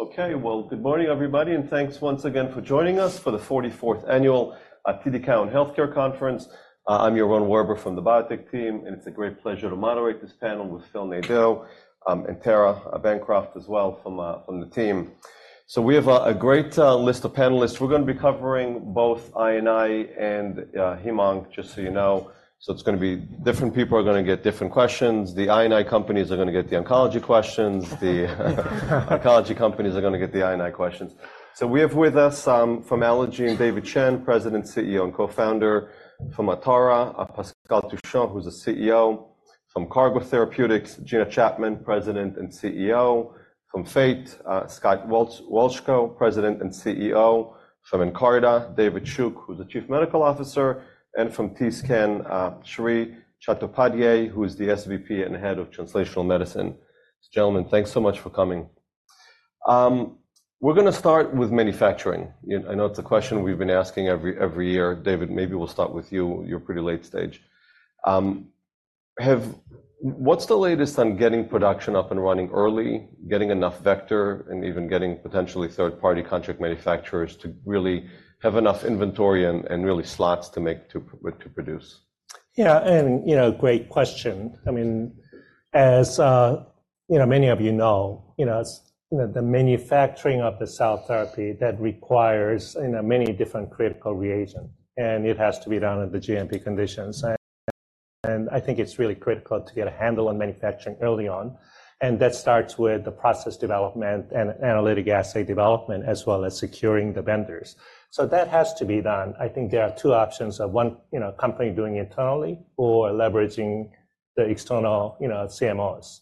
Okay, well, good morning everybody, and thanks once again for joining us for the 44th Annual TD Cowen Healthcare Conference. I'm Yaron Werber from the biotech team, and it's a great pleasure to moderate this panel with Phil Nadeau and Tara Bancroft as well from the team. So we have a great list of panelists. We're going to be covering both I&I and heme, just so you know. So it's going to be different people are going to get different questions. The I&I companies are going to get the oncology questions. The oncology companies are going to get the I&I questions. So we have with us from Allogene David Chang, President, CEO, and Co-Founder, from Atara, Pascal Touchon, who's the CEO, from Cargo Therapeutics, Gina Chapman, President and CEO, from Fate, Scott Wolchko, President and CEO, from Nkarta, David Shook, who's the Chief Medical Officer, and from TScan, Shri Chattopadhyay, who is the SVP and Head of Translational Medicine. Gentlemen, thanks so much for coming. We're going to start with manufacturing. I know it's a question we've been asking every year. David, maybe we'll start with you. You're pretty late stage. What's the latest on getting production up and running early, getting enough vector, and even getting potentially third-party contract manufacturers to really have enough inventory and really slots to produce? Yeah, great question. I mean, as many of you know, the manufacturing of the cell therapy requires many different critical reagents, and it has to be done under the GMP conditions. I think it's really critical to get a handle on manufacturing early on. That starts with the process development and analytical assay development, as well as securing the vendors. So that has to be done. I think there are two options: one company doing it internally or leveraging the external CMOs.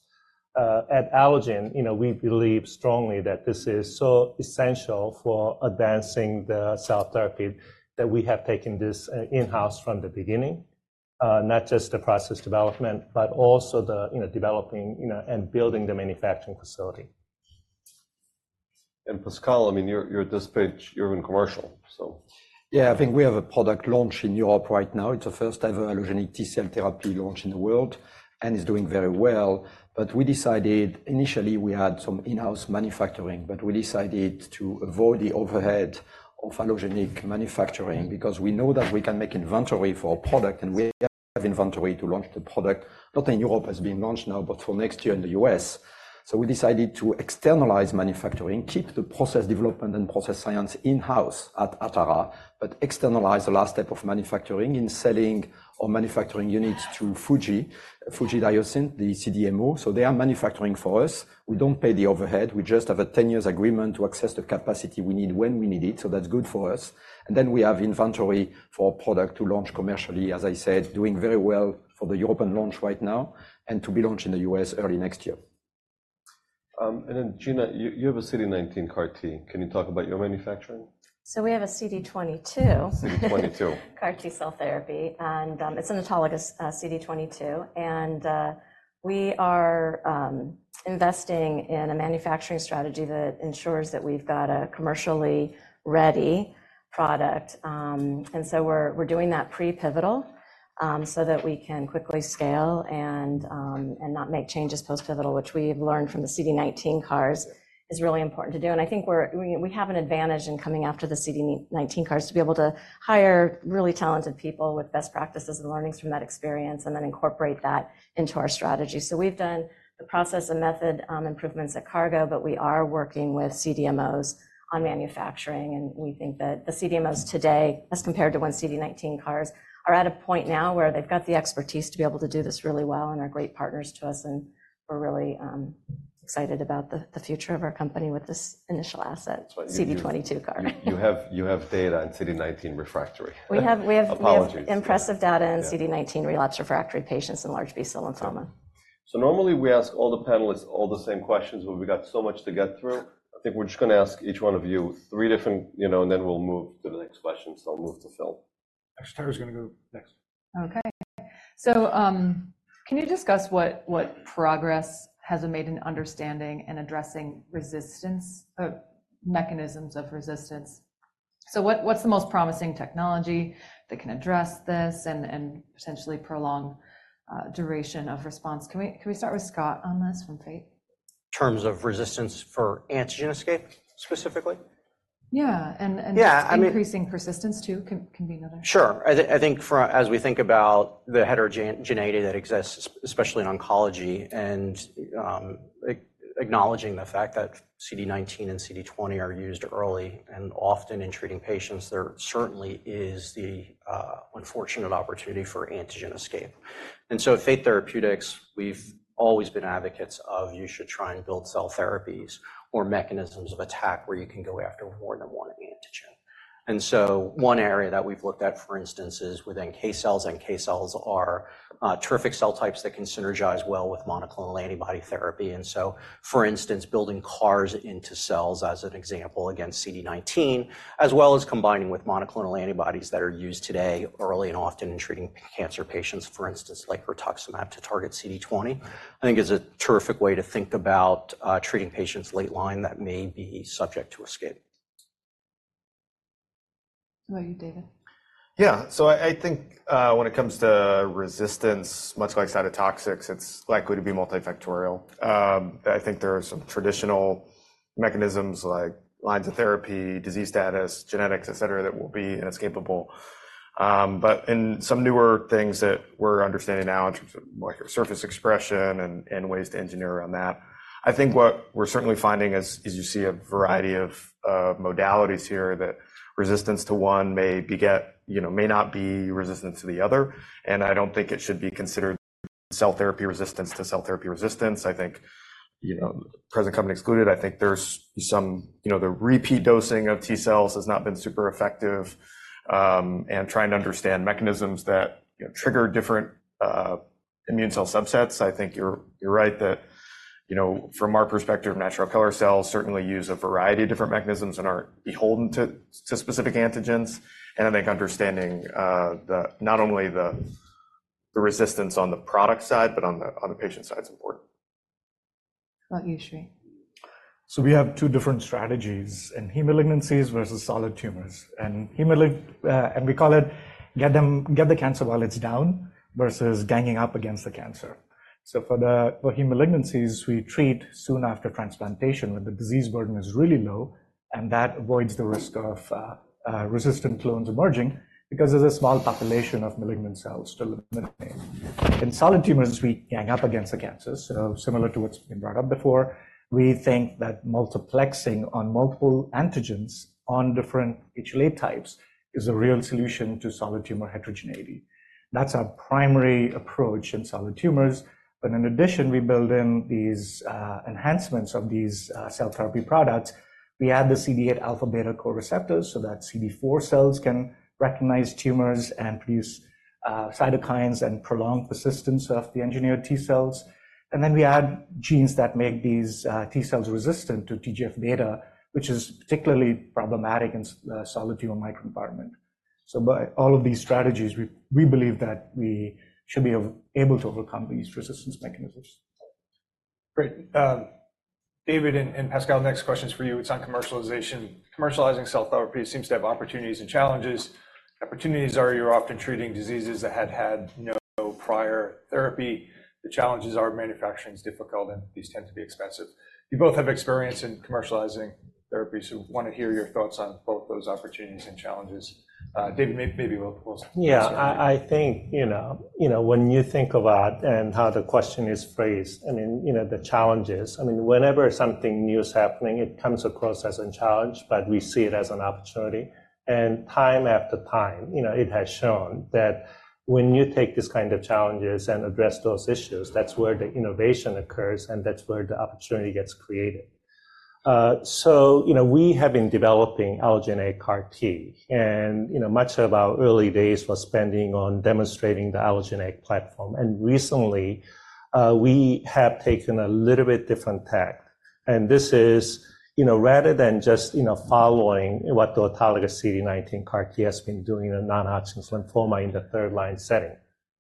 At Allogene, we believe strongly that this is so essential for advancing the cell therapy that we have taken this in-house from the beginning, not just the process development, but also developing and building the manufacturing facility. Pascal, I mean, you're at this stage, you're in commercial, so. Yeah, I think we have a product launch in Europe right now. It's the first-ever allogeneic T-cell therapy launch in the world, and it's doing very well. But we decided initially we had some in-house manufacturing, but we decided to avoid the overhead of allogeneic manufacturing because we know that we can make inventory for our product, and we have inventory to launch the product, not in Europe as being launched now, but for next year in the U.S. So we decided to externalize manufacturing, keep the process development and process science in-house at Atara, but externalize the last step of manufacturing in selling our manufacturing units to Fuji, Fujifilm Diosynth, the CDMO. So they are manufacturing for us. We don't pay the overhead. We just have a 10-year agreement to access the capacity we need when we need it. So that's good for us. And then we have inventory for our product to launch commercially, as I said, doing very well for the European launch right now and to be launched in the U.S. early next year. And then, Gina, you have a CD19 CAR T. Can you talk about your manufacturing? We have a CD22. CD22. CAR T-cell therapy. It's an autologous CD22. We are investing in a manufacturing strategy that ensures that we've got a commercially ready product. We're doing that pre-pivotal so that we can quickly scale and not make changes post-pivotal, which we've learned from the CD19 CARs is really important to do. I think we have an advantage in coming after the CD19 CARs to be able to hire really talented people with best practices and learnings from that experience and then incorporate that into our strategy. We've done the process and method improvements at Cargo, but we are working with CDMOs on manufacturing. We think that the CDMOs today, as compared to when CD19 CARs are at a point now where they've got the expertise to be able to do this really well and are great partners to us. We're really excited about the future of our company with this initial asset, CD22 CAR. You have data in CD19 refractory. We have impressive data in CD19-relapsed refractory patients in large B-cell lymphoma. So normally we ask all the panelists all the same questions, but we got so much to get through. I think we're just going to ask each one of you three different, and then we'll move to the next question. So I'll move to Phil. Actually, Tara's going to go next. Okay. So can you discuss what progress has been made in understanding and addressing mechanisms of resistance? So what's the most promising technology that can address this and potentially prolong duration of response? Can we start with Scott on this from Fate? Terms of resistance for antigen escape specifically? Yeah. And increasing persistence too can be another. Sure. I think as we think about the heterogeneity that exists, especially in oncology, and acknowledging the fact that CD19 and CD20 are used early and often in treating patients, there certainly is the unfortunate opportunity for antigen escape. And so at Fate Therapeutics, we've always been advocates of you should try and build cell therapies or mechanisms of attack where you can go after more than one antigen. And so one area that we've looked at, for instance, is with NK cells. NK cells are terrific cell types that can synergize well with monoclonal antibody therapy. And so, for instance, building CARs into cells, as an example, against CD19, as well as combining with monoclonal antibodies that are used today early and often in treating cancer patients, for instance, like rituximab to target CD20, I think is a terrific way to think about treating patients late line that may be subject to escape. How about you, David? Yeah. So I think when it comes to resistance, much like cytotoxics, it's likely to be multifactorial. I think there are some traditional mechanisms like lines of therapy, disease status, genetics, etc., that will be inescapable. But in some newer things that we're understanding now in terms of surface expression and ways to engineer around that, I think what we're certainly finding is you see a variety of modalities here that resistance to one may not be resistance to the other. And I don't think it should be considered cell therapy resistance to cell therapy resistance. I think present company excluded. I think there's some the repeat dosing of T-cells has not been super effective. Trying to understand mechanisms that trigger different immune cell subsets, I think you're right that from our perspective, natural killer cells certainly use a variety of different mechanisms and aren't beholden to specific antigens. I think understanding not only the resistance on the product side, but on the patient side is important. How about you, Shri? So we have two different strategies in heme malignancies versus solid tumors. And we call it get the cancer while it's down versus ganging up against the cancer. So for heme malignancies, we treat soon after transplantation when the disease burden is really low. And that avoids the risk of resistant clones emerging because there's a small population of malignant cells still in the body. In solid tumors, we gang up against the cancer. So similar to what's been brought up before, we think that multiplexing on multiple antigens on different HLA types is a real solution to solid tumor heterogeneity. That's our primary approach in solid tumors. But in addition, we build in these enhancements of these cell therapy products. We add the CD8 alpha beta co-receptors so that CD4 cells can recognize tumors and produce cytokines and prolong persistence of the engineered T-cells. And then we add genes that make these T-cells resistant to TGF beta, which is particularly problematic in solid tumor microenvironment. So by all of these strategies, we believe that we should be able to overcome these resistance mechanisms. Great. David and Pascal, next questions for you. It's on commercialization. Commercializing cell therapy seems to have opportunities and challenges. Opportunities are you're often treating diseases that had had no prior therapy. The challenges are manufacturing is difficult, and these tend to be expensive. You both have experience in commercializing therapy. So we want to hear your thoughts on both those opportunities and challenges. David, maybe we'll start. Yeah. I think when you think about and how the question is phrased, I mean, the challenges, I mean, whenever something new is happening, it comes across as a challenge, but we see it as an opportunity. Time after time, it has shown that when you take this kind of challenges and address those issues, that's where the innovation occurs and that's where the opportunity gets created. So we have been developing allogeneic CAR T. Much of our early days was spending on demonstrating the allogeneic platform. Recently, we have taken a little bit different tack. This is rather than just following what the autologous CD19 CAR T has been doing in non-Hodgkin lymphoma in the third-line setting.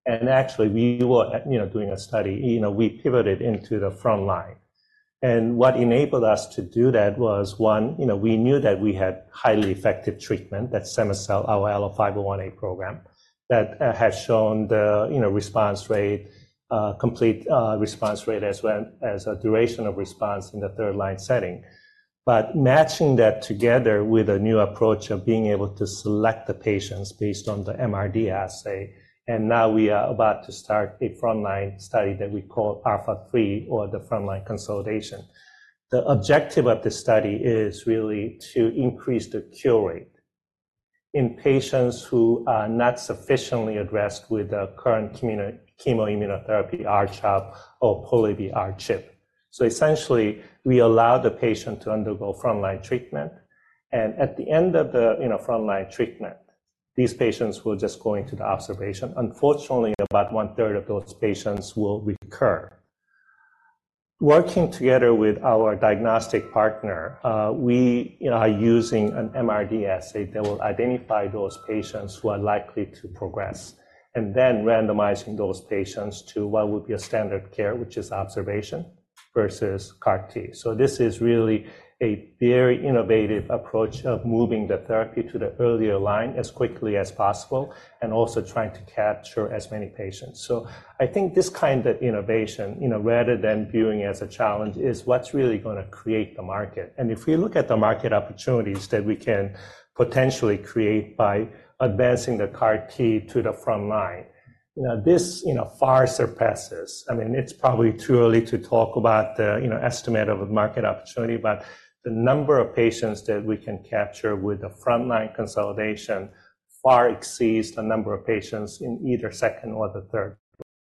Actually, we were doing a study. We pivoted into the front line. What enabled us to do that was, one, we knew that we had highly effective treatment, cema-cel, our ALLO-501A program, that has shown the response rate, complete response rate, as well as a duration of response in the third-line setting. Matching that together with a new approach of being able to select the patients based on the MRD assay. Now we are about to start a front-line study that we call ALPHA3 or the front-line consolidation. The objective of the study is really to increase the cure rate in patients who are not sufficiently addressed with the current chemoimmunotherapy R-CHOP or Pola-R-CHP. Essentially, we allow the patient to undergo front-line treatment. At the end of the front-line treatment, these patients will just go into the observation. Unfortunately, about one-third of those patients will recur. Working together with our diagnostic partner, we are using an MRD assay that will identify those patients who are likely to progress and then randomizing those patients to what would be a standard care, which is observation versus CAR T. So this is really a very innovative approach of moving the therapy to the earlier line as quickly as possible and also trying to capture as many patients. So I think this kind of innovation, rather than viewing as a challenge, is what's really going to create the market. And if we look at the market opportunities that we can potentially create by advancing the CAR T to the front line, this far surpasses. I mean, it's probably too early to talk about the estimate of market opportunity, but the number of patients that we can capture with the front-line consolidation far exceeds the number of patients in either second or the third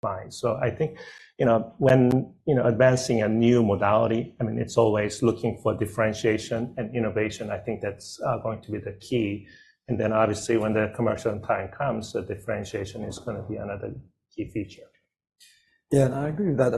line. So I think when advancing a new modality, I mean, it's always looking for differentiation and innovation. I think that's going to be the key. And then obviously, when the commercial time comes, the differentiation is going to be another key feature. Yeah. And I agree with that. I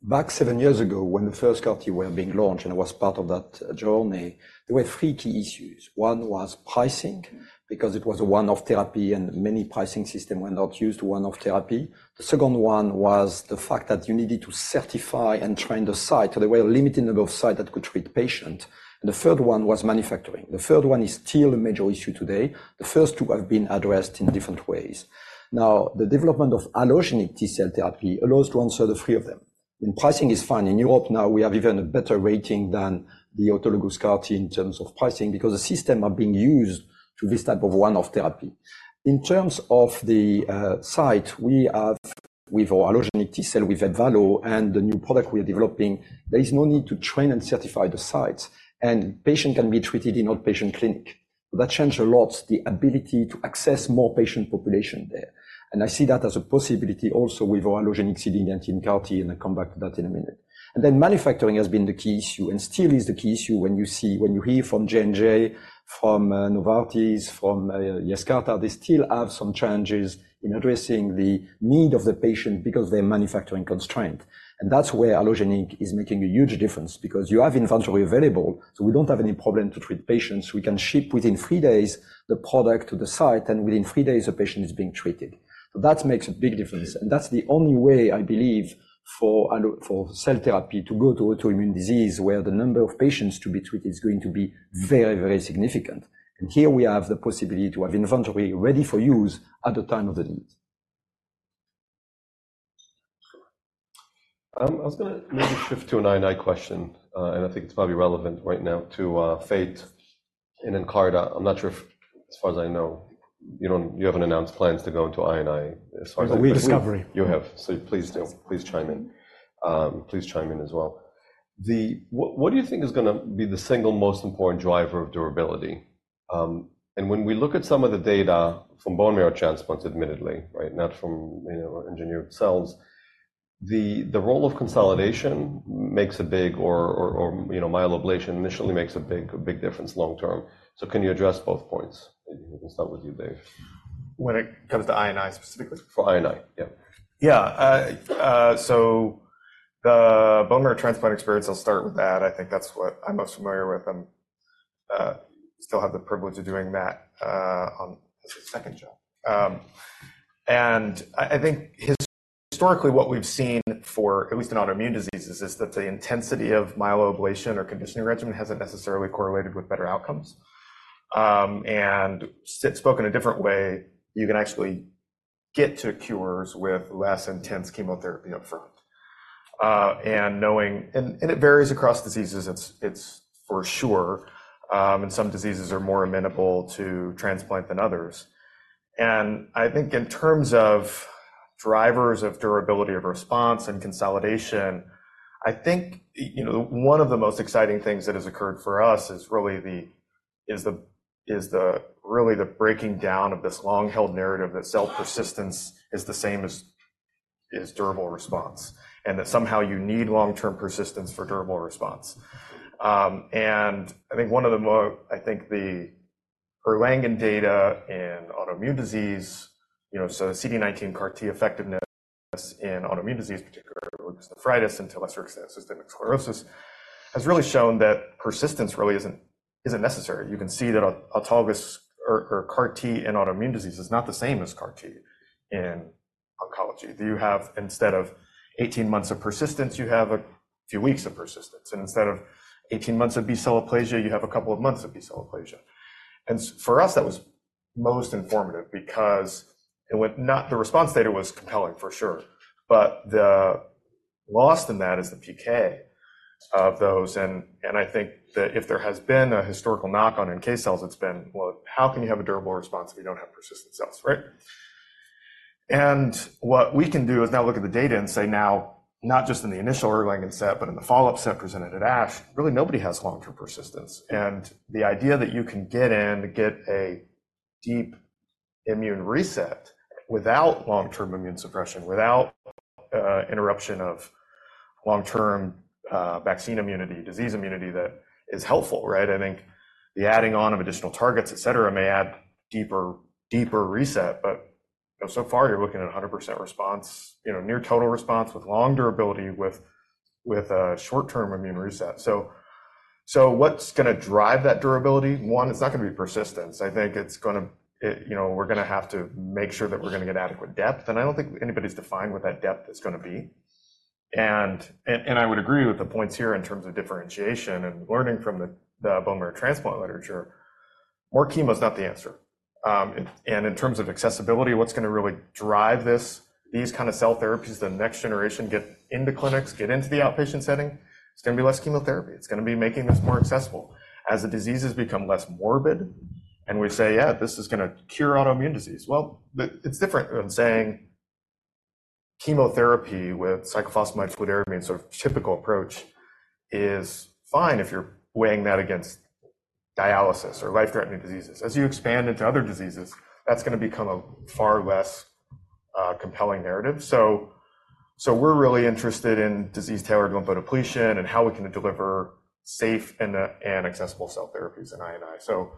think back 7 years ago, when the first CAR T were being launched and I was part of that journey, there were 3 key issues. One was pricing because it was a one-off therapy and many pricing systems were not used to one-off therapy. The second one was the fact that you needed to certify and train the site. So there were a limited number of sites that could treat patients. And the third one was manufacturing. The third one is still a major issue today. The first two have been addressed in different ways. Now, the development of allogeneic T-cell therapy allows to answer the three of them. Pricing is fine. In Europe now, we have even a better rating than the autologous CAR T in terms of pricing because the systems are being used to this type of one-off therapy. In terms of the site, we have with our allogeneic T-cell, with Ebvallo and the new product we are developing, there is no need to train and certify the sites. Patient can be treated in outpatient clinic. That changed a lot the ability to access more patient population there. I see that as a possibility also with our allogeneic CD19 CAR T, and I'll come back to that in a minute. Then manufacturing has been the key issue and still is the key issue when you hear from J&J, from Novartis, from Yescarta. They still have some challenges in addressing the need of the patient because of their manufacturing constraint. That's where allogeneic is making a huge difference because you have inventory available. So we don't have any problem to treat patients. We can ship within three days the product to the site, and within three days, the patient is being treated. That makes a big difference. That's the only way, I believe, for cell therapy to go to autoimmune disease where the number of patients to be treated is going to be very, very significant. Here we have the possibility to have inventory ready for use at the time of the need. I was going to maybe shift to an I&I question. I think it's probably relevant right now to Fate and Nkarta. I'm not sure if, as far as I know, you have announced plans to go into I&I as far as I'm concerned. We discovery. You have. So please chime in. Please chime in as well. What do you think is going to be the single most important driver of durability? And when we look at some of the data from bone marrow transplants, admittedly, right, not from engineered cells, the role of consolidation makes a big difference, or myeloablation initially makes a big difference long term. So can you address both points? We can start with you, Dave. When it comes to I&I specifically? For I&I, yeah. Yeah. So the bone marrow transplant experience, I'll start with that. I think that's what I'm most familiar with. I still have the privilege of doing that as a second job. And I think historically, what we've seen for at least in autoimmune diseases is that the intensity of myeloablation or conditioning regimen hasn't necessarily correlated with better outcomes. And spoken a different way, you can actually get to cures with less intense chemotherapy up front. And it varies across diseases, it's for sure. And some diseases are more amenable to transplant than others. And I think in terms of drivers of durability of response and consolidation, I think one of the most exciting things that has occurred for us is really the breaking down of this long-held narrative that cell persistence is the same as durable response and that somehow you need long-term persistence for durable response. I think one of the more—I think the Erlangen data in autoimmune disease, so CD19 CAR T effectiveness in autoimmune disease, particularly lupus, and to lesser extent, systemic sclerosis, has really shown that persistence really isn't necessary. You can see that autologous CAR T in autoimmune disease is not the same as CAR T in oncology. Instead of 18 months of persistence, you have a few weeks of persistence. And instead of 18 months of B-cell aplasia, you have a couple of months of B-cell aplasia. And for us, that was most informative because the response data was compelling, for sure. But the lesson in that is the PK of those. And I think that if there has been a historical knock-on in NK cells, it's been, well, how can you have a durable response if you don't have persistent cells, right? And what we can do is now look at the data and say, now, not just in the initial ALPHA set, but in the follow-up set presented at ASH, really nobody has long-term persistence. And the idea that you can get in, get a deep immune reset without long-term immune suppression, without interruption of long-term vaccine immunity, disease immunity that is helpful, right? I think the adding on of additional targets, etc., may add deeper reset. But so far, you're looking at 100% response, near total response with long durability with a short-term immune reset. So what's going to drive that durability? One, it's not going to be persistence. I think we're going to have to make sure that we're going to get adequate depth. And I don't think anybody's defined what that depth is going to be. I would agree with the points here in terms of differentiation and learning from the bone marrow transplant literature. More chemo is not the answer. In terms of accessibility, what's going to really drive these kinds of cell therapies? The next generation get into clinics, get into the outpatient setting. It's going to be less chemotherapy. It's going to be making this more accessible. As the diseases become less morbid and we say, "Yeah, this is going to cure autoimmune disease," well, it's different than saying chemotherapy with cyclophosphamide-fludarabine sort of typical approach is fine if you're weighing that against dialysis or life-threatening diseases. As you expand into other diseases, that's going to become a far less compelling narrative. So we're really interested in disease-tailored lymphodepletion and how we can deliver safe and accessible cell therapies in the clinic.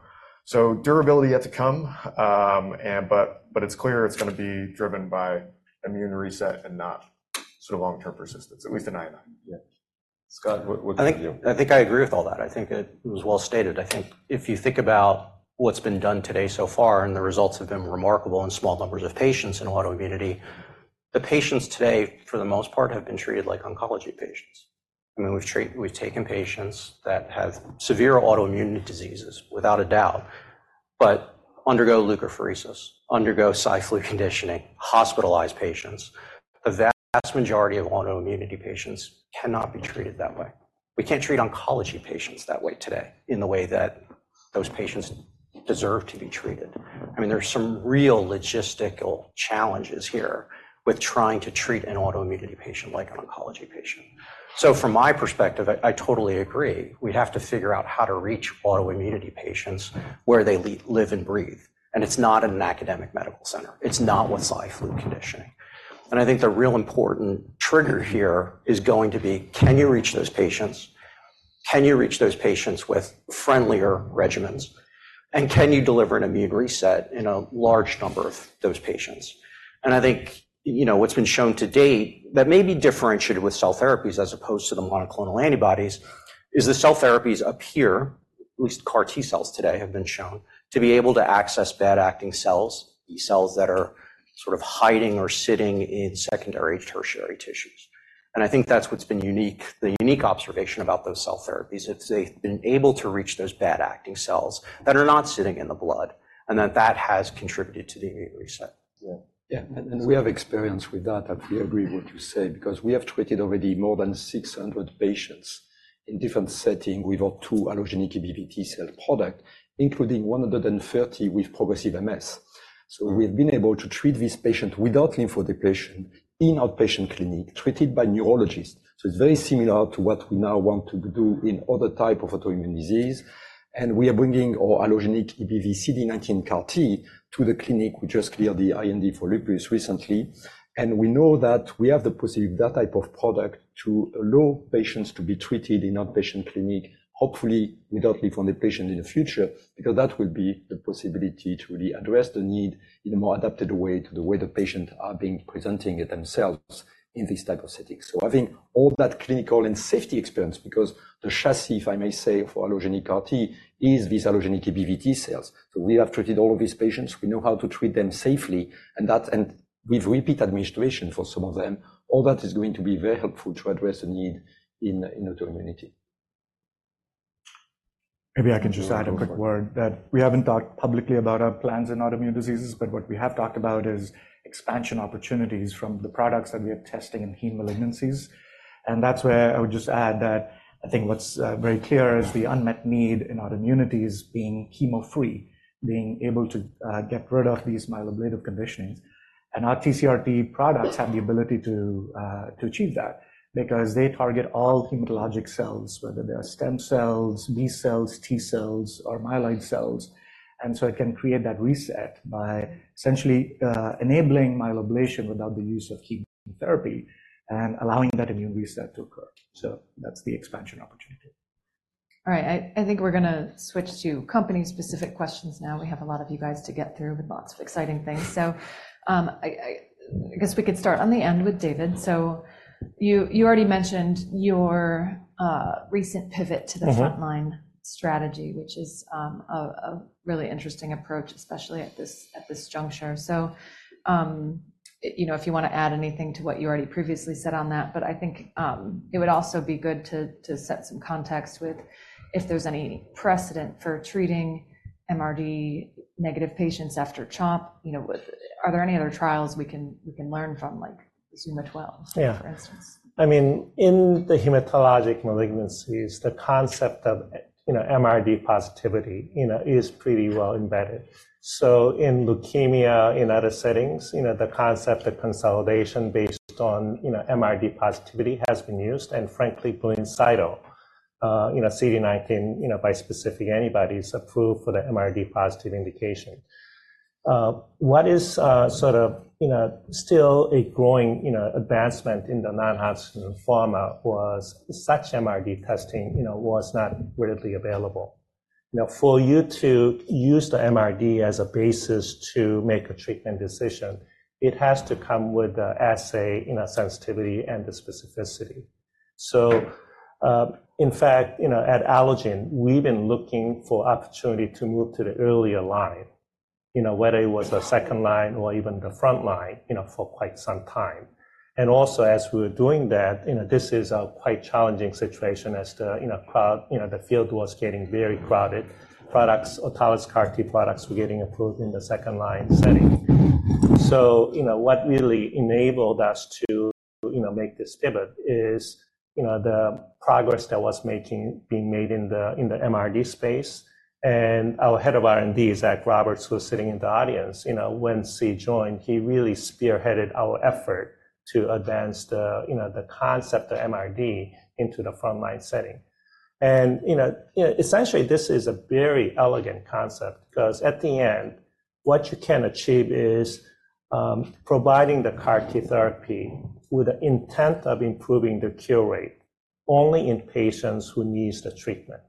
So durability yet to come. But it's clear it's going to be driven by immune reset and not sort of long-term persistence, at least in I&I. Scott, what do you think? I think I agree with all that. I think it was well-stated. I think if you think about what's been done today so far and the results have been remarkable in small numbers of patients in autoimmunity. The patients today, for the most part, have been treated like oncology patients. I mean, we've taken patients that have severe autoimmune diseases, without a doubt, but undergo leukapheresis, undergo Cy/Flu conditioning, hospitalize patients. The vast majority of autoimmunity patients cannot be treated that way. We can't treat oncology patients that way today in the way that those patients deserve to be treated. I mean, there's some real logistical challenges here with trying to treat an autoimmunity patient like an oncology patient. So from my perspective, I totally agree. We have to figure out how to reach autoimmunity patients where they live and breathe. It's not an academic medical center. It's not with Cy/Flu conditioning. I think the real important trigger here is going to be, can you reach those patients? Can you reach those patients with friendlier regimens? And can you deliver an immune reset in a large number of those patients? And I think what's been shown to date that may be differentiated with cell therapies as opposed to the monoclonal antibodies is the cell therapies appear, at least CAR T-cells today have been shown, to be able to access bad-acting cells, B-cells that are sort of hiding or sitting in secondary tertiary tissues. And I think that's what's been unique, the unique observation about those cell therapies, if they've been able to reach those bad-acting cells that are not sitting in the blood and that that has contributed to the immune reset. Yeah. And we have experience with that. I fully agree with what you say because we have treated already more than 600 patients in different settings with our two allogeneic EBV T-cell product, including 130 with progressive MS. So we have been able to treat these patients without lymph depletion in outpatient clinic, treated by neurologists. So it's very similar to what we now want to do in other types of autoimmune disease. And we are bringing our allogeneic EBV CD19 CAR T to the clinic. We just cleared the IND for lupus recently. And we know that we have the possibility with that type of product to allow patients to be treated in outpatient clinic, hopefully without lymphodepletion in the future because that will be the possibility to really address the need in a more adapted way to the way the patients are being presenting themselves in these types of settings. So having all that clinical and safety experience because the chassis, if I may say, for allogeneic CAR T is these allogeneic EBV T-cells. So we have treated all of these patients. We know how to treat them safely. And with repeat administration for some of them, all that is going to be very helpful to address the need in autoimmunity. Maybe I can just add a quick word that we haven't talked publicly about our plans in autoimmune diseases, but what we have talked about is expansion opportunities from the products that we are testing in heme malignancies. That's where I would just add that I think what's very clear is the unmet need in autoimmune diseases being chemo-free, being able to get rid of these myeloablative conditionings. Our TCR-T products have the ability to achieve that because they target all hematologic cells, whether they are stem cells, B-cells, T-cells, or myeloid cells. So it can create that reset by essentially enabling myeloablation without the use of chemotherapy and allowing that immune reset to occur. That's the expansion opportunity. All right. I think we're going to switch to company-specific questions now. We have a lot of you guys to get through with lots of exciting things. So I guess we could start on the end with David. So you already mentioned your recent pivot to the frontline strategy, which is a really interesting approach, especially at this juncture. So if you want to add anything to what you already previously said on that, but I think it would also be good to set some context with if there's any precedent for treating MRD-negative patients after CHOEP. Are there any other trials we can learn from, like ZUMA-12, for instance? Yeah. I mean, in the hematologic malignancies, the concept of MRD positivity is pretty well embedded. So in leukemia, in other settings, the concept of consolidation based on MRD positivity has been used. And frankly, Blincyto, CD19 bispecific antibodies, approved for the MRD positive indication. What is sort of still a growing advancement in the non-Hodgkin lymphoma was such MRD testing was not readily available. For you to use the MRD as a basis to make a treatment decision, it has to come with the assay in a sensitivity and the specificity. So in fact, at Allogene, we've been looking for opportunity to move to the earlier line, whether it was a second line or even the front line for quite some time. And also, as we were doing that, this is a quite challenging situation as the field was getting very crowded. Autologous CAR T products were getting approved in the second line setting. So what really enabled us to make this pivot is the progress that was being made in the MRD space. And our head of R&D, Zach Roberts, who was sitting in the audience when C joined, he really spearheaded our effort to advance the concept of MRD into the frontline setting. And essentially, this is a very elegant concept because at the end, what you can achieve is providing the CAR T therapy with the intent of improving the cure rate only in patients who need the treatment.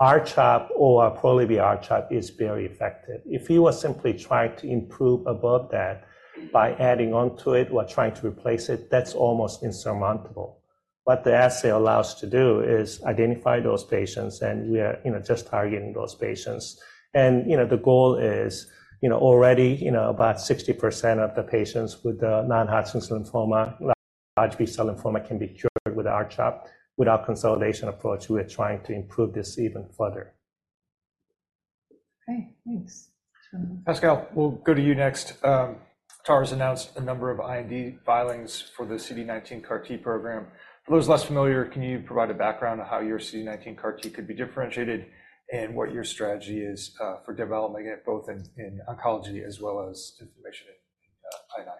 R-CHOP or Pola-R-CHP is very effective. If you were simply trying to improve above that by adding onto it or trying to replace it, that's almost insurmountable. What the assay allows us to do is identify those patients, and we are just targeting those patients. The goal is already about 60% of the patients with the non-Hodgkin lymphoma, large B-cell lymphoma, can be cured with R-CHOP. With our consolidation approach, we are trying to improve this even further. Okay. Thanks. Pascal, we'll go to you next. Atara's announced a number of IND filings for the CD19 CAR T program. For those less familiar, can you provide a background on how your CD19 CAR T could be differentiated and what your strategy is for development, both in oncology as well as in autoimmune? Yeah,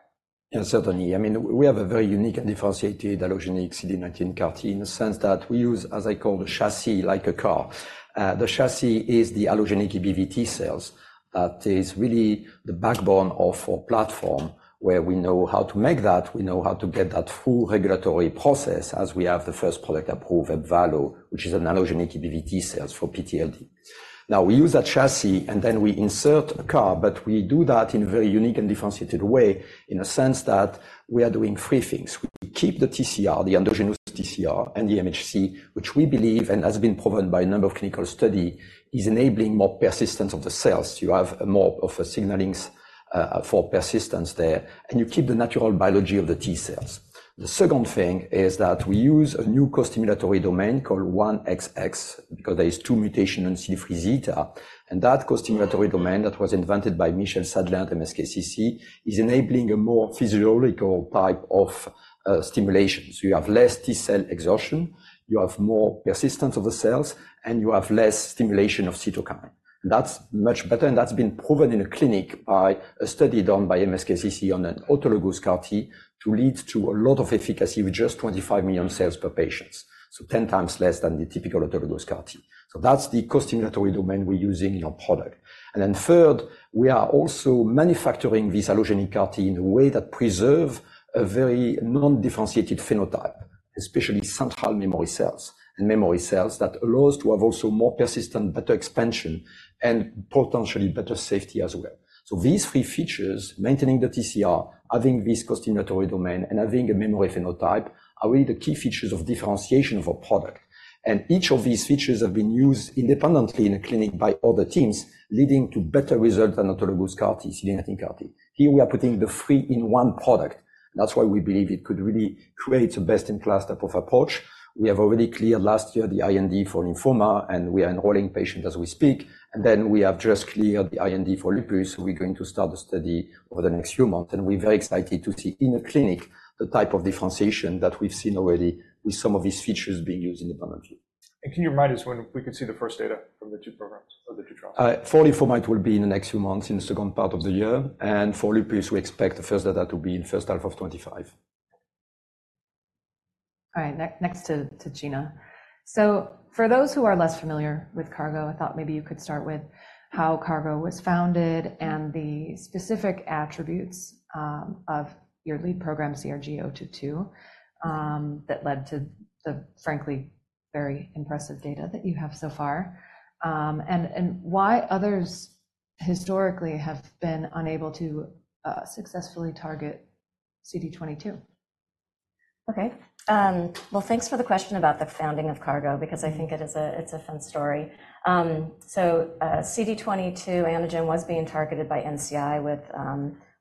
certainly. I mean, we have a very unique and differentiated allogeneic CD19 CAR T in the sense that we use, as I call, the chassis like a car. The chassis is the allogeneic EBV T-cells. That is really the backbone of our platform where we know how to make that. We know how to get that full regulatory process as we have the first product approved at Ebvallo, which is an allogeneic EBV T-cells for PTLD. Now, we use that chassis, and then we insert a car. But we do that in a very unique and differentiated way in a sense that we are doing three things. We keep the TCR, the endogenous TCR, and the MHC, which we believe and has been proven by a number of clinical studies is enabling more persistence of the cells. You have more of a signaling for persistence there, and you keep the natural biology of the T cells. The second thing is that we use a new co-stimulatory domain called 1XX because there are two mutations in CD3 zeta. That co-stimulatory domain that was invented by Michel Sadelain, MSKCC, is enabling a more physiological type of stimulation. So you have less T-cell exhaustion. You have more persistence of the cells, and you have less stimulation of cytokines. That's much better. That's been proven in the clinic by a study done by MSKCC on an autologous CAR T to lead to a lot of efficacy with just 25 million cells per patient, so 10 times less than the typical autologous CAR T. So that's the co-stimulatory domain we're using in our product. And then third, we are also manufacturing this allogeneic CAR T in a way that preserves a very non-differentiated phenotype, especially central memory cells and memory cells that allows to have also more persistent, better expansion, and potentially better safety as well. So these three features, maintaining the TCR, having this co-stimulatory domain, and having a memory phenotype, are really the key features of differentiation of our product. And each of these features have been used independently in a clinic by other teams, leading to better results than autologous CAR T, CD19 CAR T. Here, we are putting the three in one product. That's why we believe it could really create a best-in-class type of approach. We have already cleared last year the IND for lymphoma, and we are enrolling patients as we speak. And then we have just cleared the IND for lupus. We're going to start the study over the next few months. We're very excited to see in a clinic the type of differentiation that we've seen already with some of these features being used in the frontline field. Can you remind us when we could see the first data from the two programs or the two trials? For lymphoma, it will be in the next few months, in the second part of the year. For lupus, we expect the first data to be in first half of 2025. All right. Next to Gina. So for those who are less familiar with Cargo, I thought maybe you could start with how Cargo was founded and the specific attributes of your lead program, CRG-022, that led to the frankly very impressive data that you have so far. And why others historically have been unable to successfully target CD22? Okay. Well, thanks for the question about the founding of Cargo because I think it's a fun story. So CD22 antigen was being targeted by NCI with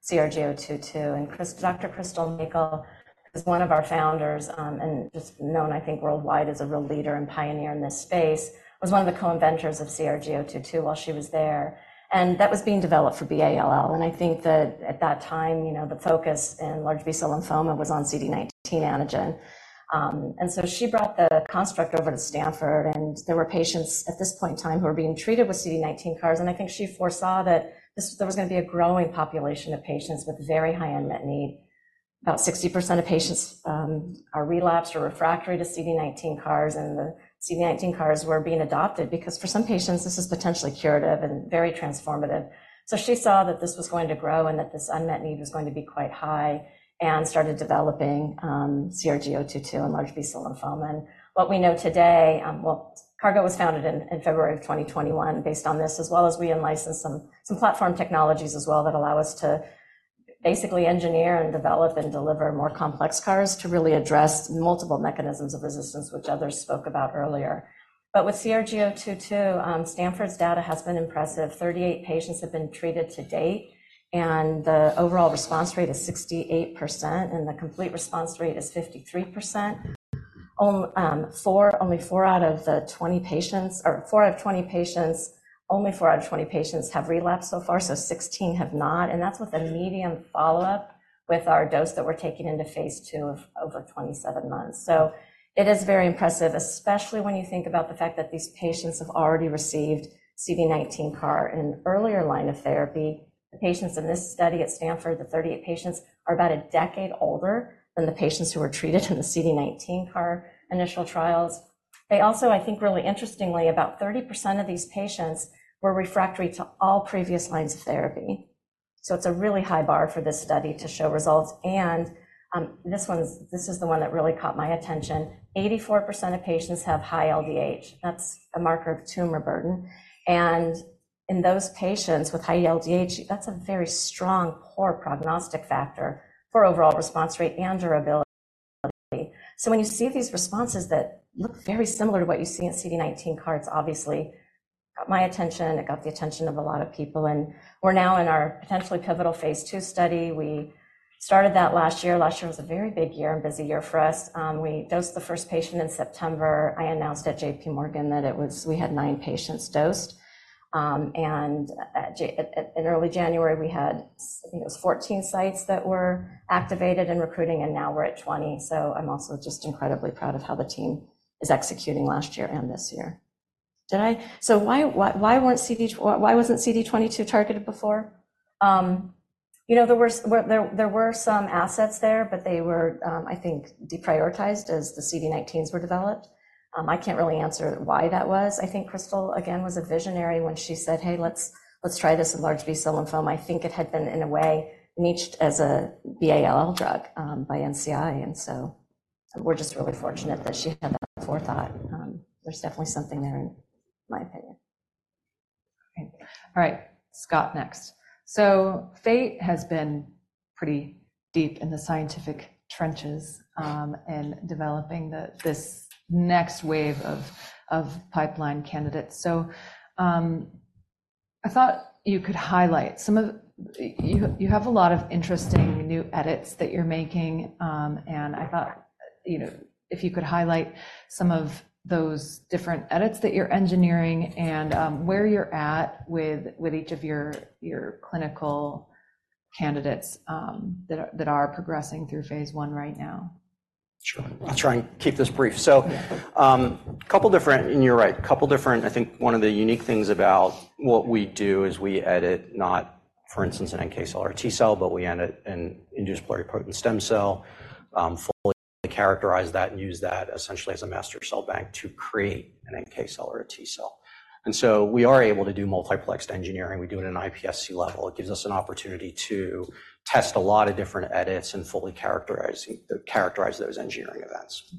CRG-022. And Dr. Crystal Mackall, who's one of our founders and just known, I think, worldwide as a real leader and pioneer in this space, was one of the co-inventors of CRG-022 while she was there. And that was being developed for B-ALL. And I think that at that time, the focus in large B-cell lymphoma was on CD19 antigen. And so she brought the construct over to Stanford. And there were patients at this point in time who were being treated with CD19 CARs. And I think she foresaw that there was going to be a growing population of patients with very high unmet need. About 60% of patients relapsed or refractory to CD19 CARs. The CD19 CARs were being adopted because for some patients, this is potentially curative and very transformative. So she saw that this was going to grow and that this unmet need was going to be quite high and started developing CRG-022 in large B-cell lymphoma. What we know today well, Cargo was founded in February of 2021 based on this, as well as we in-license some platform technologies as well that allow us to basically engineer and develop and deliver more complex CARs to really address multiple mechanisms of resistance, which others spoke about earlier. With CRG-022, Stanford's data has been impressive. 38 patients have been treated to date. The overall response rate is 68%. The complete response rate is 53%. Only four out of the 20 patients have relapsed so far, so 16 have not. That's with a median follow-up with our dose that we're taking into phase II of over 27 months. It is very impressive, especially when you think about the fact that these patients have already received CD19 CAR in earlier line of therapy. The patients in this study at Stanford, the 38 patients, are about a decade older than the patients who were treated in the CD19 CAR initial trials. They also, I think, really interestingly, about 30% of these patients were refractory to all previous lines of therapy. It's a really high bar for this study to show results. This is the one that really caught my attention. 84% of patients have high LDH. That's a marker of tumor burden. In those patients with high LDH, that's a very strong poor prognostic factor for overall response rate and durability. So when you see these responses that look very similar to what you see in CD19 CAR, it's obviously got my attention. It got the attention of a lot of people. We're now in our potentially pivotal phase II study. We started that last year. Last year was a very big year and busy year for us. We dosed the first patient in September. I announced at J.P. Morgan that we had nine patients dosed. In early January, we had, I think it was 14 sites that were activated and recruiting. Now we're at 20. So I'm also just incredibly proud of how the team is executing last year and this year. So why wasn't CD22 targeted before? There were some assets there, but they were, I think, deprioritized as the CD19s were developed. I can't really answer why that was. I think Crystal, again, was a visionary when she said, "Hey, let's try this in large B-cell lymphoma." I think it had been, in a way, niched as a B-ALL drug by NCI. And so we're just really fortunate that she had that forethought. There's definitely something there, in my opinion. All right. Scott, next. So Fate has been pretty deep in the scientific trenches and developing this next wave of pipeline candidates. So I thought you could highlight some of you have a lot of interesting new edits that you're making. And I thought if you could highlight some of those different edits that you're engineering and where you're at with each of your clinical candidates that are progressing through phase I right now. Sure. I'll try and keep this brief. So, a couple different, and you're right. I think one of the unique things about what we do is we edit, not for instance, an NK cell or a T-cell, but we edit an induced pluripotent stem cell, fully characterize that, and use that essentially as a master cell bank to create an NK cell or a T-cell. And so we are able to do multiplexed engineering. We do it at an iPSC level. It gives us an opportunity to test a lot of different edits and fully characterize those engineering events.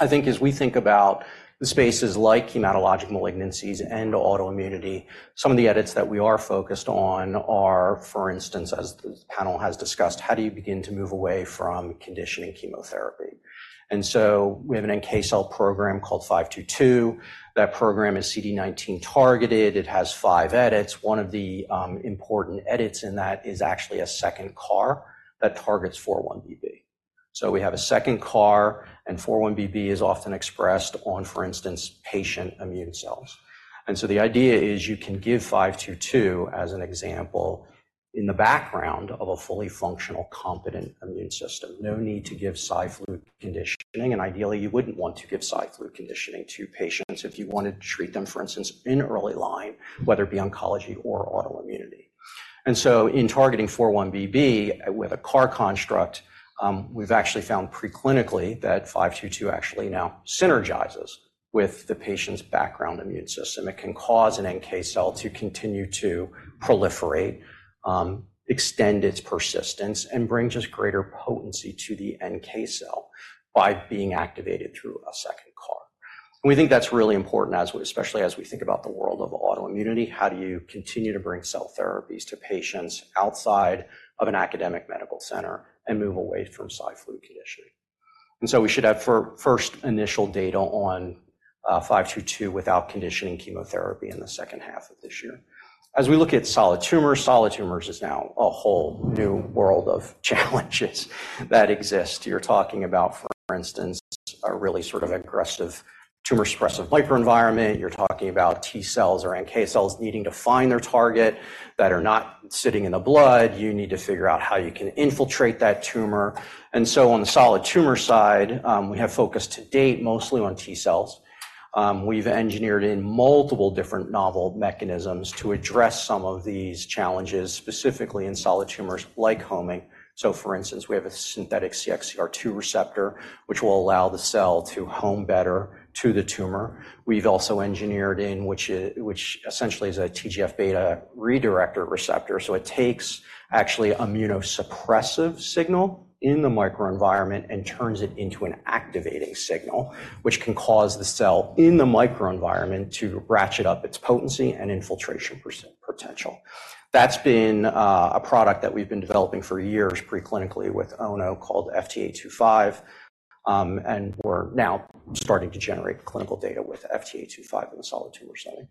I think as we think about the spaces like hematologic malignancies and autoimmunity, some of the edits that we are focused on are, for instance, as the panel has discussed, how do you begin to move away from conditioning chemotherapy? And so we have an NK cell program called 522. That program is CD19 targeted. It has five edits. One of the important edits in that is actually a second CAR that targets 4-1BB. So we have a second CAR. And 4-1BB is often expressed on, for instance, patient immune cells. And so the idea is you can give 522, as an example, in the background of a fully functional, competent immune system. No need to give Cy/Flu conditioning. And ideally, you wouldn't want to give Cy/Flu conditioning to patients if you wanted to treat them, for instance, in early line, whether it be oncology or autoimmunity. And so in targeting 4-1BB with a CAR construct, we've actually found preclinically that 522 actually now synergizes with the patient's background immune system. It can cause an NK cell to continue to proliferate, extend its persistence, and bring just greater potency to the NK cell by being activated through a second CAR. We think that's really important, especially as we think about the world of autoimmunity. How do you continue to bring cell therapies to patients outside of an academic medical center and move away from Cy/Flu conditioning? We should have first initial data on 522 without conditioning chemotherapy in the second half of this year. As we look at solid tumors, solid tumors is now a whole new world of challenges that exist. You're talking about, for instance, a really sort of aggressive tumor-suppressive microenvironment. You're talking about T-cells or NK cells needing to find their target that are not sitting in the blood. You need to figure out how you can infiltrate that tumor. On the solid tumor side, we have focused to date mostly on T-cells. We've engineered in multiple different novel mechanisms to address some of these challenges, specifically in solid tumors like homing. So for instance, we have a synthetic CXCR2 receptor, which will allow the cell to home better to the tumor. We've also engineered in, which essentially is a TGF beta redirector receptor. So it takes actually an immunosuppressive signal in the microenvironment and turns it into an activating signal, which can cause the cell in the microenvironment to ratchet up its potency and infiltration potential. That's been a product that we've been developing for years preclinically with Ono called FT825. And we're now starting to generate clinical data with FT825 in the solid tumor setting.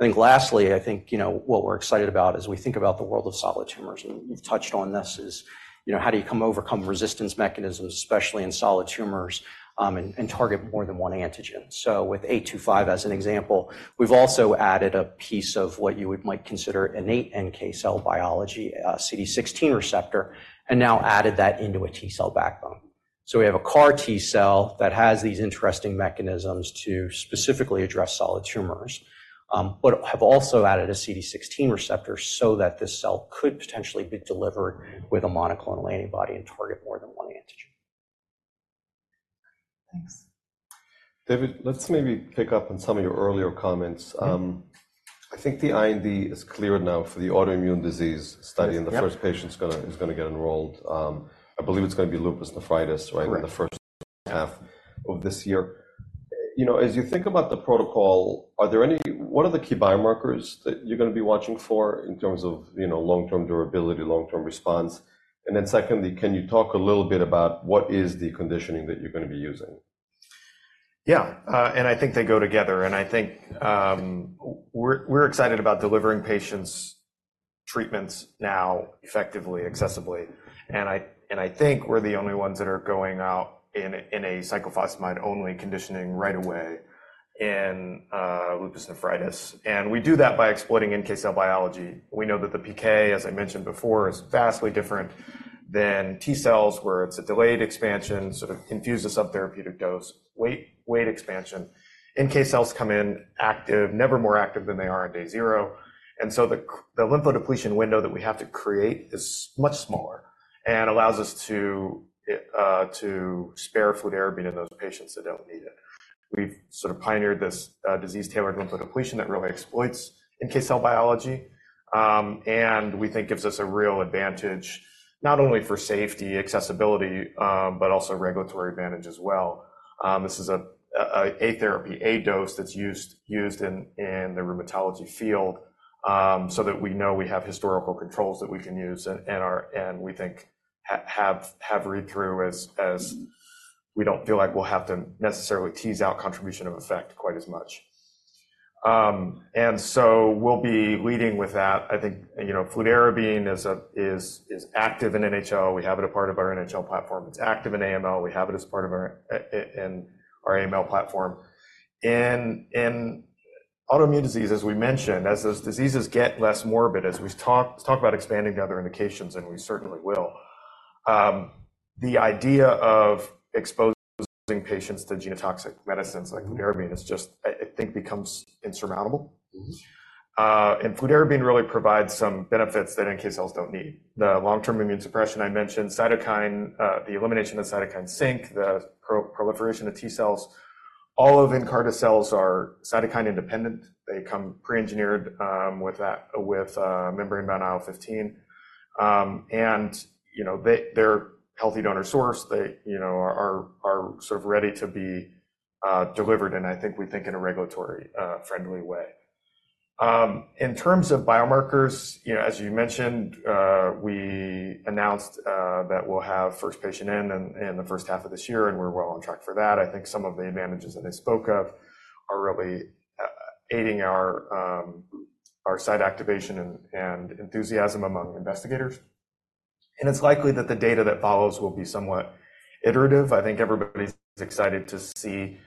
I think lastly, I think what we're excited about as we think about the world of solid tumors, and you've touched on this, is how do you overcome resistance mechanisms, especially in solid tumors, and target more than one antigen? So with FT825 as an example, we've also added a piece of what you might consider innate NK cell biology, a CD16 receptor, and now added that into a T-cell backbone. So we have a CAR T-cell that has these interesting mechanisms to specifically address solid tumors, but have also added a CD16 receptor so that this cell could potentially be delivered with a monoclonal antibody and target more than one antigen. Thanks. David, let's maybe pick up on some of your earlier comments. I think the IND is cleared now for the autoimmune disease study. The first patient is going to get enrolled. I believe it's going to be lupus nephritis, right, in the first half of this year. As you think about the protocol, what are the key biomarkers that you're going to be watching for in terms of long-term durability, long-term response? Then secondly, can you talk a little bit about what is the conditioning that you're going to be using? Yeah. And I think they go together. And I think we're excited about delivering patients treatments now effectively, accessibly. And I think we're the only ones that are going out in a cyclophosphamide-only conditioning right away in lupus nephritis. And we do that by exploiting NK cell biology. We know that the PK, as I mentioned before, is vastly different than T-cells, where it's a delayed expansion, sort of builds up therapeutic dose, with expansion. NK cells come in active, never more active than they are on day zero. And so the lymphodepletion window that we have to create is much smaller and allows us to spare fludarabine in those patients that don't need it. We've sort of pioneered this disease-tailored lymphodepletion that really exploits NK cell biology. And we think gives us a real advantage not only for safety, accessibility, but also regulatory advantage as well. This is a therapy, a dose that's used in the rheumatology field so that we know we have historical controls that we can use and we think have read-through as we don't feel like we'll have to necessarily tease out contribution of effect quite as much. We'll be leading with that. I think fludarabine is active in NHL. We have it as part of our NHL platform. It's active in AML. We have it as part of our AML platform. In autoimmune disease, as we mentioned, as those diseases get less morbid, as we talk about expanding to other indications, and we certainly will, the idea of exposing patients to genotoxic medicines like fludarabine is just, I think, becomes insurmountable. Fludarabine really provides some benefits that NK cells don't need. The long-term immune suppression I mentioned, the elimination of cytokine sink, the proliferation of T-cells, all of Nkarta cells are cytokine independent. They come pre-engineered with membrane-bound IL-15. They're a healthy donor source. They are sort of ready to be delivered, and I think we think in a regulatory-friendly way. In terms of biomarkers, as you mentioned, we announced that we'll have first patient in the first half of this year. We're well on track for that. I think some of the advantages that I spoke of are really aiding our site activation and enthusiasm among investigators. It's likely that the data that follows will be somewhat iterative. I think everybody's excited to see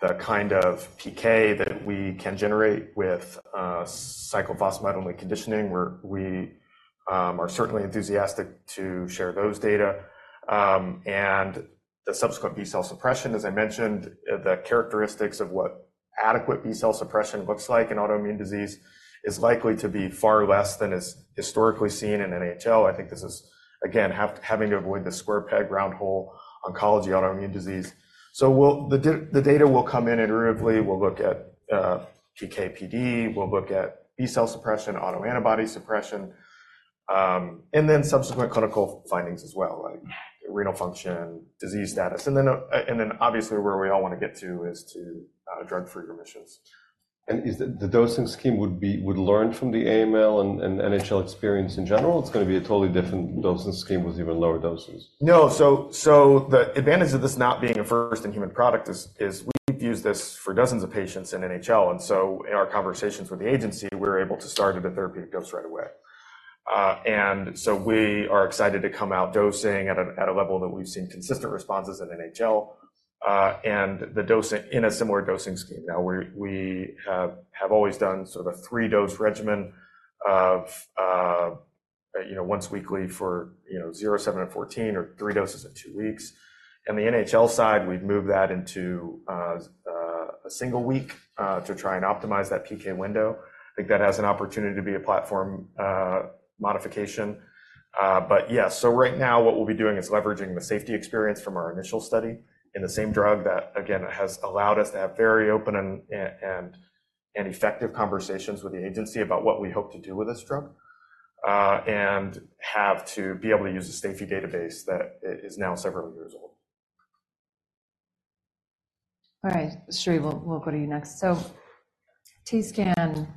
the kind of PK that we can generate with cyclophosphamide-only conditioning. We are certainly enthusiastic to share those data. The subsequent B-cell suppression, as I mentioned, the characteristics of what adequate B-cell suppression looks like in autoimmune disease is likely to be far less than is historically seen in NHL. I think this is, again, having to avoid the square peg round hole oncology, autoimmune disease. The data will come in iteratively. We'll look at PKPD. We'll look at B-cell suppression, autoantibody suppression, and then subsequent clinical findings as well, like renal function, disease status. Then obviously, where we all want to get to is to drug-free remissions. The dosing scheme would learn from the AML and NHL experience in general? It's going to be a totally different dosing scheme with even lower doses. No. So the advantage of this not being a first-in-human product is we've used this for dozens of patients in NHL. And so in our conversations with the agency, we're able to start at a therapeutic dose right away. And so we are excited to come out dosing at a level that we've seen consistent responses in NHL and in a similar dosing scheme. Now, we have always done sort of a 3-dose regimen of once weekly for 0, 7, and 14 or 3 doses in 2 weeks. And the NHL side, we've moved that into a single week to try and optimize that PK window. I think that has an opportunity to be a platform modification. But yeah. Right now, what we'll be doing is leveraging the safety experience from our initial study in the same drug that, again, has allowed us to have very open and effective conversations with the agency about what we hope to do with this drug and have to be able to use a safety database that is now several years old. All right. Shri, we'll go to you next. So TScan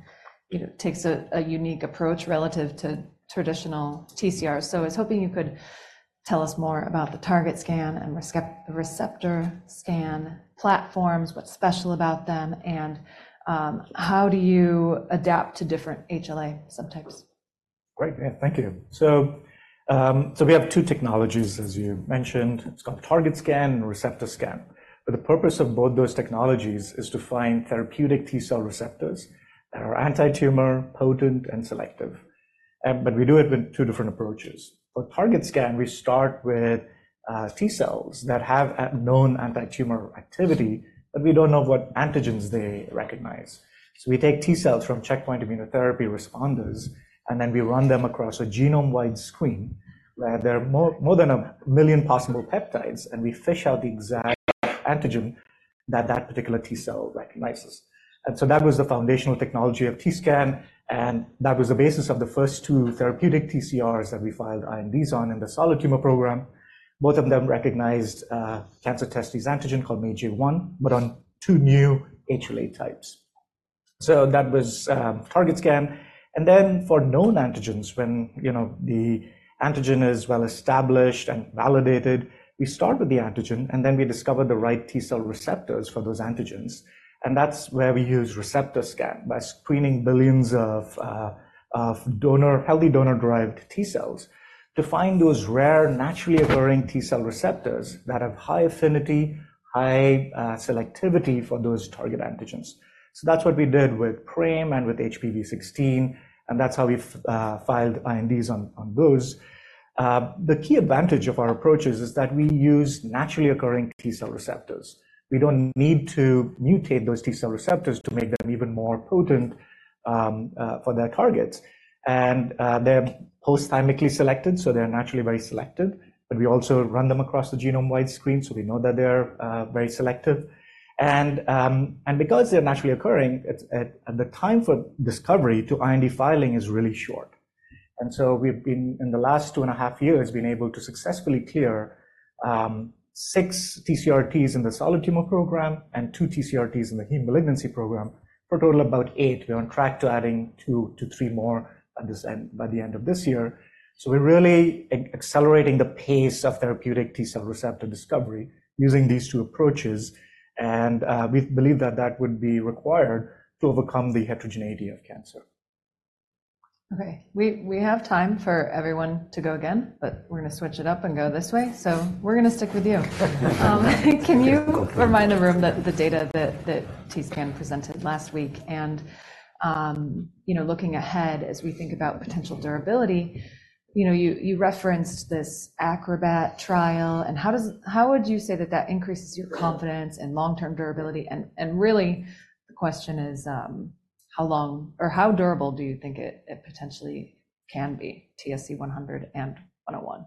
takes a unique approach relative to traditional TCR. I was hoping you could tell us more about the TargetScan and ReceptorScan platforms, what's special about them, and how do you adapt to different HLA subtypes. Great. Yeah. Thank you. So we have two technologies, as you mentioned. It's called TargetScan and ReceptorScan. But the purpose of both those technologies is to find therapeutic T cell receptors that are anti-tumor, potent, and selective. But we do it with two different approaches. For TargetScan, we start with T-cells that have known anti-tumor activity, but we don't know what antigens they recognize. So we take T-cells from checkpoint immunotherapy responders, and then we run them across a genome-wide screen where there are more than 1 million possible peptides. And so that was the foundational technology of TScan. And that was the basis of the first two therapeutic TCRs that we filed INDs on in the solid tumor program. Both of them recognized cancer-testis antigen called MAGE-A1 but on two new HLA types. So that was TargetScan. And then for known antigens, when the antigen is well established and validated, we start with the antigen. And then we discover the right T-cell receptors for those antigens. And that's where we use ReceptorScan by screening billions of healthy donor-derived T-cells to find those rare, naturally occurring T-cell receptors that have high affinity, high selectivity for those target antigens. So that's what we did with PRAME and with HPV16. And that's how we filed INDs on those. The key advantage of our approaches is that we use naturally occurring T-cell receptors. We don't need to mutate those T-cell receptors to make them even more potent for their targets. And they're post-thymically selected. So they're naturally very selected. But we also run them across the genome-wide screen. So we know that they're very selective. And because they're naturally occurring, the time for discovery to IND filing is really short. And so we've been, in the last 2.5 years, able to successfully clear 6 TCR-Ts in the solid tumor program and 2 TCR-Ts in the heme malignancy program for a total of about 8. We're on track to adding 2-3 more by the end of this year. So we're really accelerating the pace of therapeutic T-cell receptor discovery using these two approaches. And we believe that that would be required to overcome the heterogeneity of cancer. Okay. We have time for everyone to go again, but we're going to switch it up and go this way. So we're going to stick with you. Can you remind the room that the data that TScan presented last week and looking ahead as we think about potential durability, you referenced this ACROBAT trial. And how would you say that that increases your confidence in long-term durability? And really, the question is, how long or how durable do you think it potentially can be, TSC-100 and TSC-101?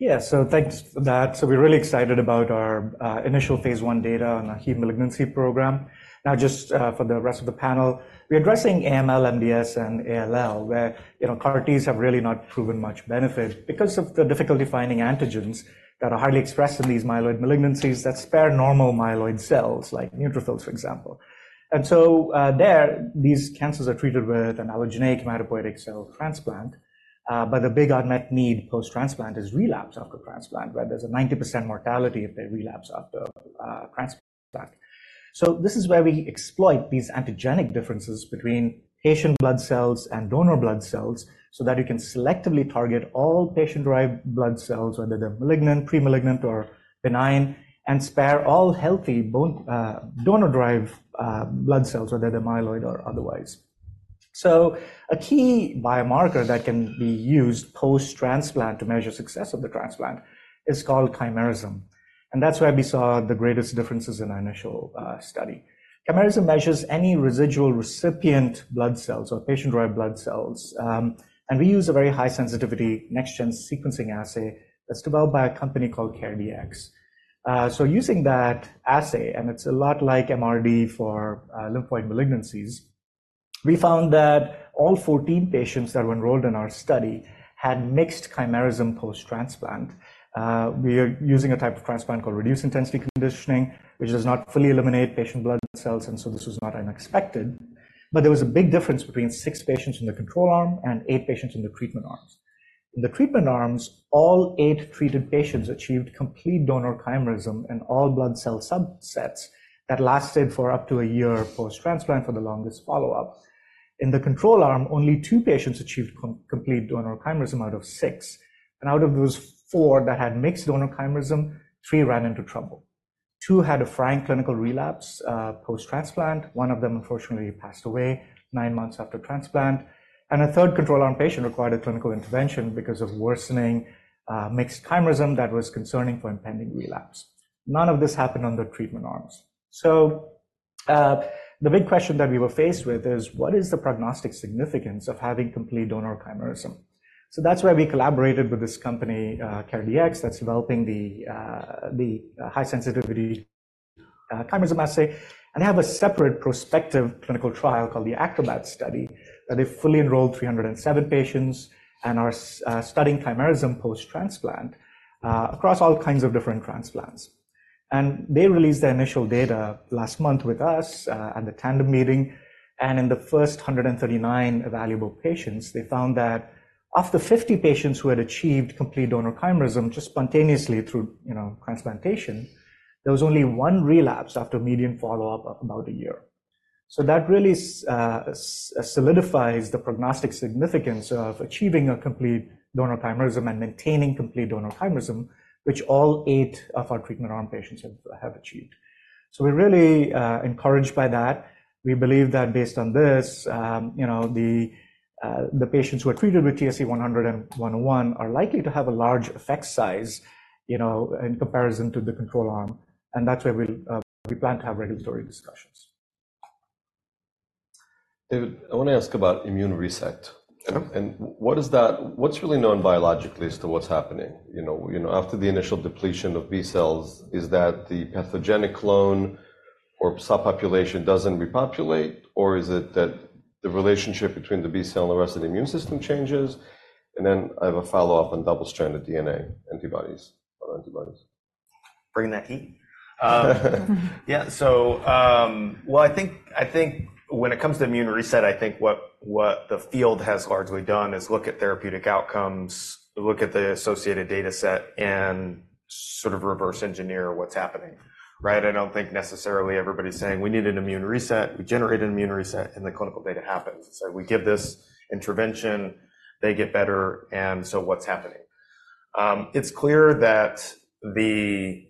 Yeah. So thanks for that. So we're really excited about our initial phase I data on the heme malignancy program. Now, just for the rest of the panel, we're addressing AML, MDS, and ALL, where CAR Ts have really not proven much benefit because of the difficulty finding antigens that are highly expressed in these myeloid malignancies that spare normal myeloid cells like neutrophils, for example. And so there, these cancers are treated with an allogeneic hematopoietic cell transplant. But the big unmet need post-transplant is relapse after transplant, where there's a 90% mortality if they relapse after transplant. So this is where we exploit these antigenic differences between patient blood cells and donor blood cells so that you can selectively target all patient-derived blood cells, whether they're malignant, premalignant, or benign, and spare all healthy donor-derived blood cells, whether they're myeloid or otherwise. A key biomarker that can be used post-transplant to measure success of the transplant is called chimerism. That's where we saw the greatest differences in our initial study. Chimerism measures any residual recipient blood cells or patient-derived blood cells. We use a very high-sensitivity next-gen sequencing assay that's developed by a company called CareDx. Using that assay, and it's a lot like MRD for lymphoid malignancies, we found that all 14 patients that were enrolled in our study had mixed chimerism post-transplant. We are using a type of transplant called reduced-intensity conditioning, which does not fully eliminate patient blood cells. So this was not unexpected. There was a big difference between 6 patients in the control arm and 8 patients in the treatment arms. In the treatment arms, all eight treated patients achieved complete donor chimerism in all blood cell subsets that lasted for up to a year post-transplant for the longest follow-up. In the control arm, only two patients achieved complete donor chimerism out of six. Out of those four that had mixed donor chimerism, three ran into trouble. Two had a frank clinical relapse post-transplant. One of them, unfortunately, passed away nine months after transplant. A third control arm patient required a clinical intervention because of worsening mixed chimerism that was concerning for impending relapse. None of this happened on the treatment arms. The big question that we were faced with is, what is the prognostic significance of having complete donor chimerism? That's where we collaborated with this company, CareDx, that's developing the high-sensitivity chimerism assay. They have a separate prospective clinical trial called the ACROBAT study that they fully enrolled 307 patients and are studying chimerism post-transplant across all kinds of different transplants. They released their initial data last month with us at the Tandem meeting. In the first 139 evaluable patients, they found that of the 50 patients who had achieved complete donor chimerism just spontaneously through transplantation, there was only one relapse after median follow-up of about a year. That really solidifies the prognostic significance of achieving a complete donor chimerism and maintaining complete donor chimerism, which all eight of our treatment arm patients have achieved. We're really encouraged by that. We believe that based on this, the patients who are treated with TSC-100 and TSC-101 are likely to have a large effect size in comparison to the control arm. That's where we plan to have regulatory discussions. David, I want to ask about immune reset. What's really known biologically as to what's happening? After the initial depletion of B-cells, is that the pathogenic clone or subpopulation doesn't repopulate? Or is it that the relationship between the B-cell and the rest of the immune system changes? And then I have a follow-up on double-stranded DNA antibodies or antibodies. Bring that key. Yeah. Well, I think when it comes to immune reset, I think what the field has largely done is look at therapeutic outcomes, look at the associated dataset, and sort of reverse engineer what's happening, right? I don't think necessarily everybody's saying, "We need an immune reset. We generate an immune reset." And the clinical data happens. So we give this intervention. They get better. And so what's happening? It's clear that the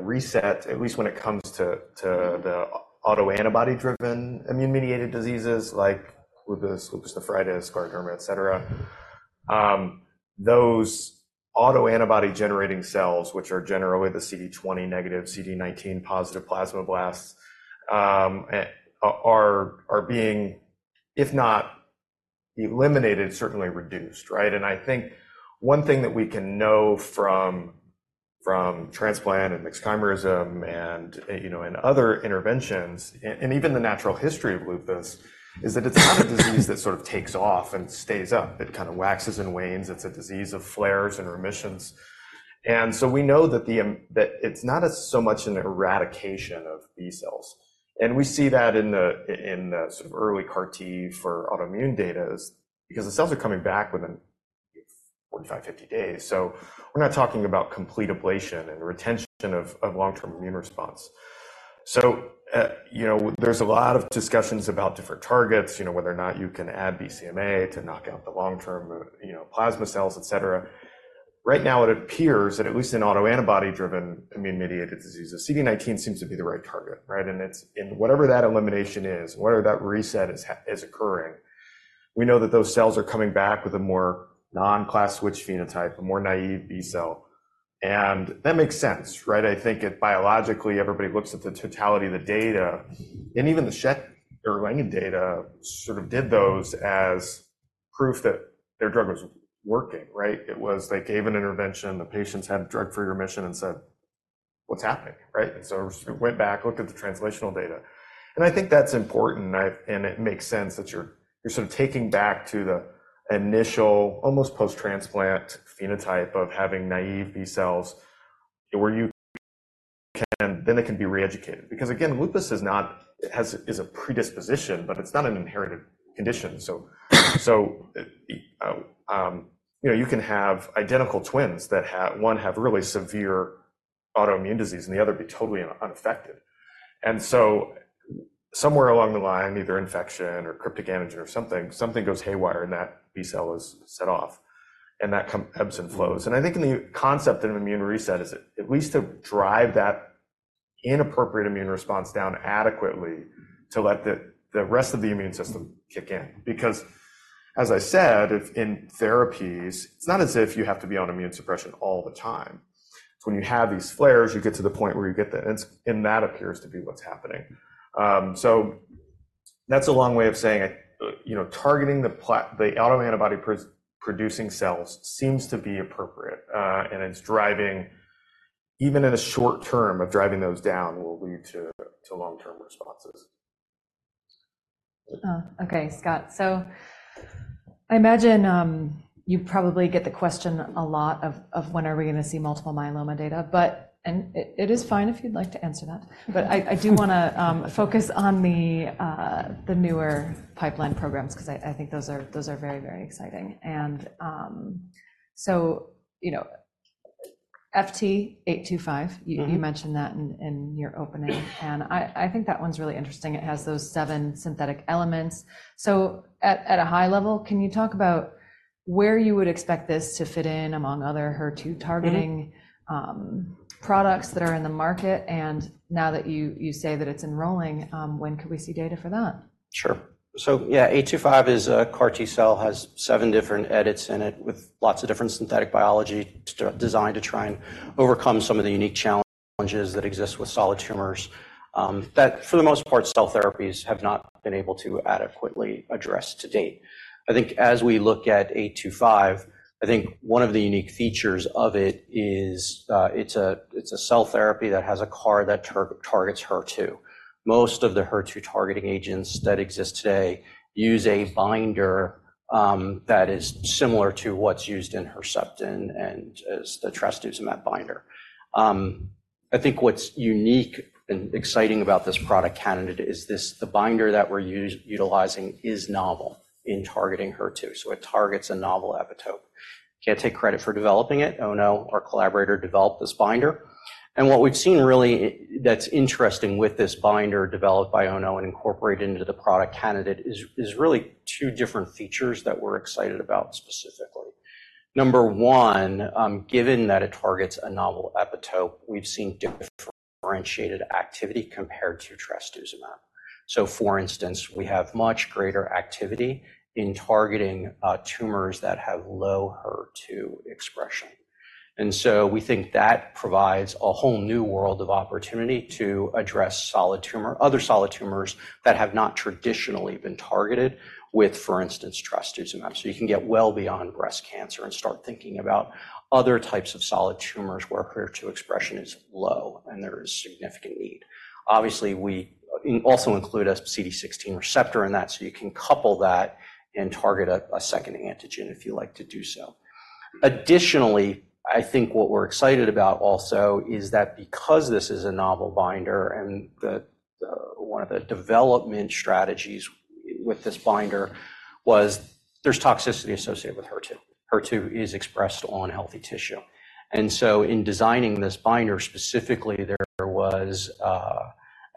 reset, at least when it comes to the autoantibody-driven immune-mediated diseases like lupus, lupus nephritis, scleroderma, etc., those autoantibody-generating cells, which are generally the CD20-negative, CD19-positive plasmablasts, are being, if not eliminated, certainly reduced, right? And I think one thing that we can know from transplant and mixed chimerism and other interventions and even the natural history of lupus is that it's not a disease that sort of takes off and stays up. It kind of waxes and wanes. It's a disease of flares and remissions. So we know that it's not so much an eradication of B-cells. And we see that in the sort of early CAR T for autoimmune data, because the cells are coming back within 45, 50 days. So we're not talking about complete ablation and retention of long-term immune response. So there's a lot of discussions about different targets, whether or not you can add BCMA to knock out the long-term plasma cells, etc. Right now, it appears that at least in autoantibody-driven immune-mediated diseases, CD19 seems to be the right target, right? And whatever that elimination is, whatever that reset is occurring, we know that those cells are coming back with a more non-class switch phenotype, a more naive B-cell. And that makes sense, right? I think biologically, everybody looks at the totality of the data. And even the Schett-Erlangen data sort of did those as proof that their drug was working, right? It was they gave an intervention. The patients had drug-free remission and said, "What's happening?" Right? And so it went back, looked at the translational data. And I think that's important. And it makes sense that you're sort of taking back to the initial, almost post-transplant phenotype of having naive B-cells where you can then it can be reeducated because, again, lupus is a predisposition, but it's not an inherited condition. So you can have identical twins that one have really severe autoimmune disease and the other be totally unaffected. And so somewhere along the line, either infection or cryptic antigen or something, something goes haywire and that B-cell is set off. And that ebbs and flows. I think in the concept of immune reset is at least to drive that inappropriate immune response down adequately to let the rest of the immune system kick in because, as I said, in therapies, it's not as if you have to be on immune suppression all the time. It's when you have these flares, you get to the point where you get the and that appears to be what's happening. So that's a long way of saying targeting the autoantibody-producing cells seems to be appropriate. Even in the short term of driving those down will lead to long-term responses. Okay, Scott. So I imagine you probably get the question a lot of, "When are we going to see multiple myeloma data?" It is fine if you'd like to answer that. I do want to focus on the newer pipeline programs because I think those are very, very exciting. So FT825, you mentioned that in your opening. I think that one's really interesting. It has those seven synthetic elements. So at a high level, can you talk about where you would expect this to fit in among other HER2-targeting products that are in the market? And now that you say that it's enrolling, when could we see data for that? Sure. So yeah, FT825 is a CAR T-cell that has seven different edits in it with lots of different synthetic biology designed to try and overcome some of the unique challenges that exist with solid tumors that, for the most part, cell therapies have not been able to adequately address to date. I think as we look at FT825, I think one of the unique features of it is it's a cell therapy that has a CAR that targets HER2. Most of the HER2-targeting agents that exist today use a binder that is similar to what's used in Herceptin and is the trastuzumab binder. I think what's unique and exciting about this product candidate is the binder that we're utilizing is novel in targeting HER2. So it targets a novel epitope. Can't take credit for developing it. Ono, our collaborator, developed this binder. And what we've seen really that's interesting with this binder developed by Ono and incorporated into the product candidate is really two different features that we're excited about specifically. Number one, given that it targets a novel epitope, we've seen differentiated activity compared to trastuzumab. So for instance, we have much greater activity in targeting tumors that have low HER2 expression. And so we think that provides a whole new world of opportunity to address other solid tumors that have not traditionally been targeted with, for instance, trastuzumab. So you can get well beyond breast cancer and start thinking about other types of solid tumors where HER2 expression is low and there is significant need. Obviously, we also include a CD16 receptor in that. So you can couple that and target a second antigen if you like to do so. Additionally, I think what we're excited about also is that because this is a novel binder and one of the development strategies with this binder was there's toxicity associated with HER2. HER2 is expressed on healthy tissue. And so in designing this binder specifically, there was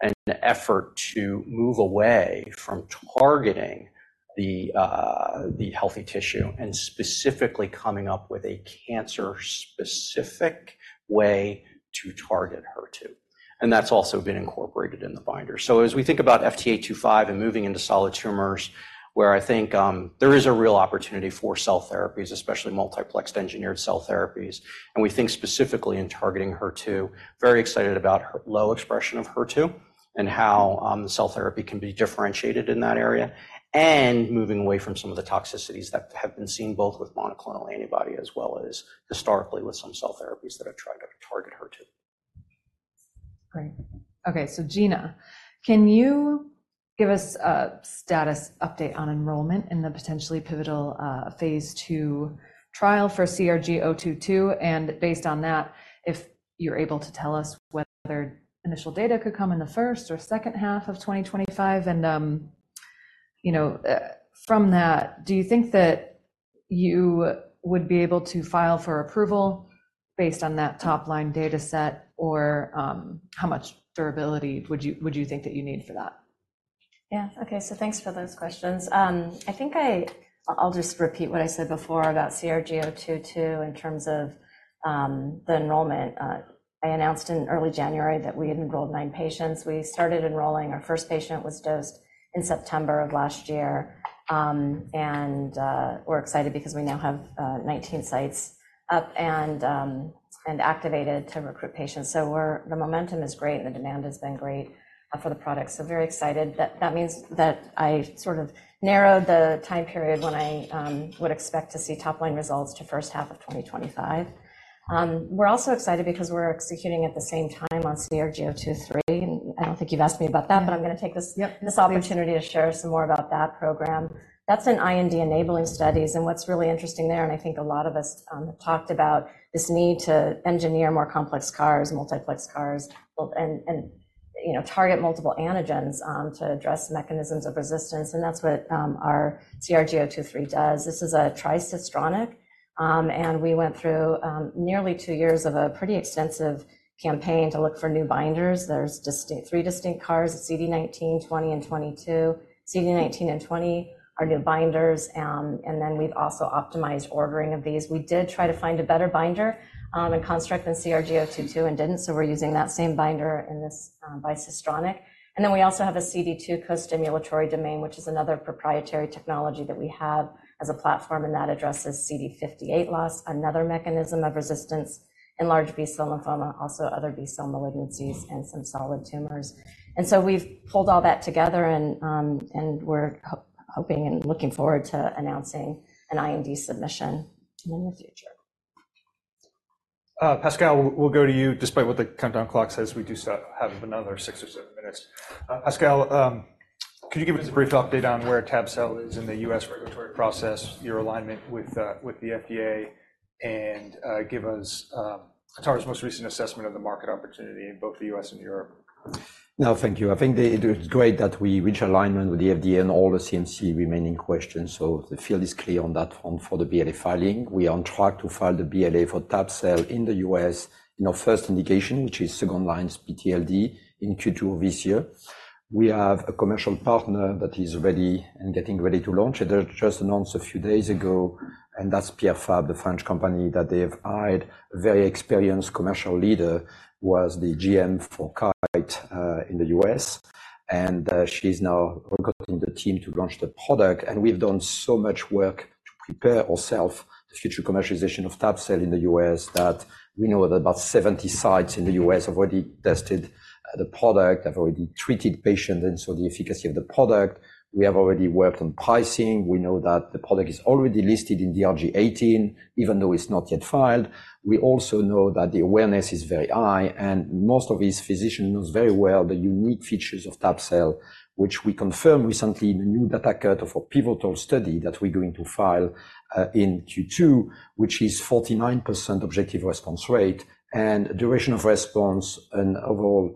an effort to move away from targeting the healthy tissue and specifically coming up with a cancer-specific way to target HER2. And that's also been incorporated in the binder. As we think about FT825 and moving into solid tumors where I think there is a real opportunity for cell therapies, especially multiplexed-engineered cell therapies, and we think specifically in targeting HER2, very excited about low expression of HER2 and how the cell therapy can be differentiated in that area and moving away from some of the toxicities that have been seen both with monoclonal antibody as well as historically with some cell therapies that have tried to target HER2. Great. Okay, so Gina, can you give us a status update on enrollment in the potentially pivotal phase II trial for CRG-022? And based on that, if you're able to tell us whether initial data could come in the first or second half of 2025? And from that, do you think that you would be able to file for approval based on that top-line dataset? Or how much durability would you think that you need for that? Yeah. Okay. So thanks for those questions. I think I'll just repeat what I said before about CRG-022 in terms of the enrollment. I announced in early January that we had enrolled 9 patients. We started enrolling. Our first patient was dosed in September of last year. And we're excited because we now have 19 sites up and activated to recruit patients. So the momentum is great and the demand has been great for the product. So very excited. That means that I sort of narrowed the time period when I would expect to see top-line results to first half of 2025. We're also excited because we're executing at the same time on CRG-023. And I don't think you've asked me about that, but I'm going to take this opportunity to share some more about that program. That's an IND-enabling studies. What's really interesting there, and I think a lot of us talked about this need to engineer more complex CARs, multiplexed CARs, and target multiple antigens to address mechanisms of resistance. That's what our CRG-023 does. This is a tri-cistronic. We went through nearly two years of a pretty extensive campaign to look for new binders. There's three distinct CARs: CD19, CD20, and CD22. CD19 and CD20 are new binders. Then we've also optimized ordering of these. We did try to find a better binder and construct than CRG-022 and didn't. So we're using that same binder in this bi-cistronic. Then we also have a CD2 co-stimulatory domain, which is another proprietary technology that we have as a platform. That addresses CD58 loss, another mechanism of resistance in large B-cell lymphoma, also other B-cell malignancies, and some solid tumors. And so we've pulled all that together. And we're hoping and looking forward to announcing an IND submission in the future. Pascal, we'll go to you. Despite what the countdown clock says, we do have another six or seven minutes. Pascal, could you give us a brief update on where tab-cel is in the U.S. regulatory process, your alignment with the FDA, and give us Atara's most recent assessment of the market opportunity in both the U.S. and Europe? No, thank you. I think it's great that we reach alignment with the FDA on all the CMC remaining questions. So the field is clear on that front for the BLA filing. We are on track to file the BLA for tab-cel in the U.S. in our first indication, which is second-line PTLD in Q2 of this year. We have a commercial partner that is ready and getting ready to launch. It was just announced a few days ago. That's Pierre Fabre, the French company that they have hired. A very experienced commercial leader was the GM for Kite in the U.S. She is now recruiting the team to launch the product. We've done so much work to prepare ourselves for the future commercialization of tab-cel in the U.S. that we know that about 70 sites in the U.S. have already tested the product, have already treated patients. So the efficacy of the product, we have already worked on pricing. We know that the product is already listed in DRG 018, even though it's not yet filed. We also know that the awareness is very high. Most of these physicians know very well the unique features of tab-cel, which we confirmed recently in the new data cut of our pivotal study that we're going to file in Q2, which is 49% objective response rate, and duration of response, and overall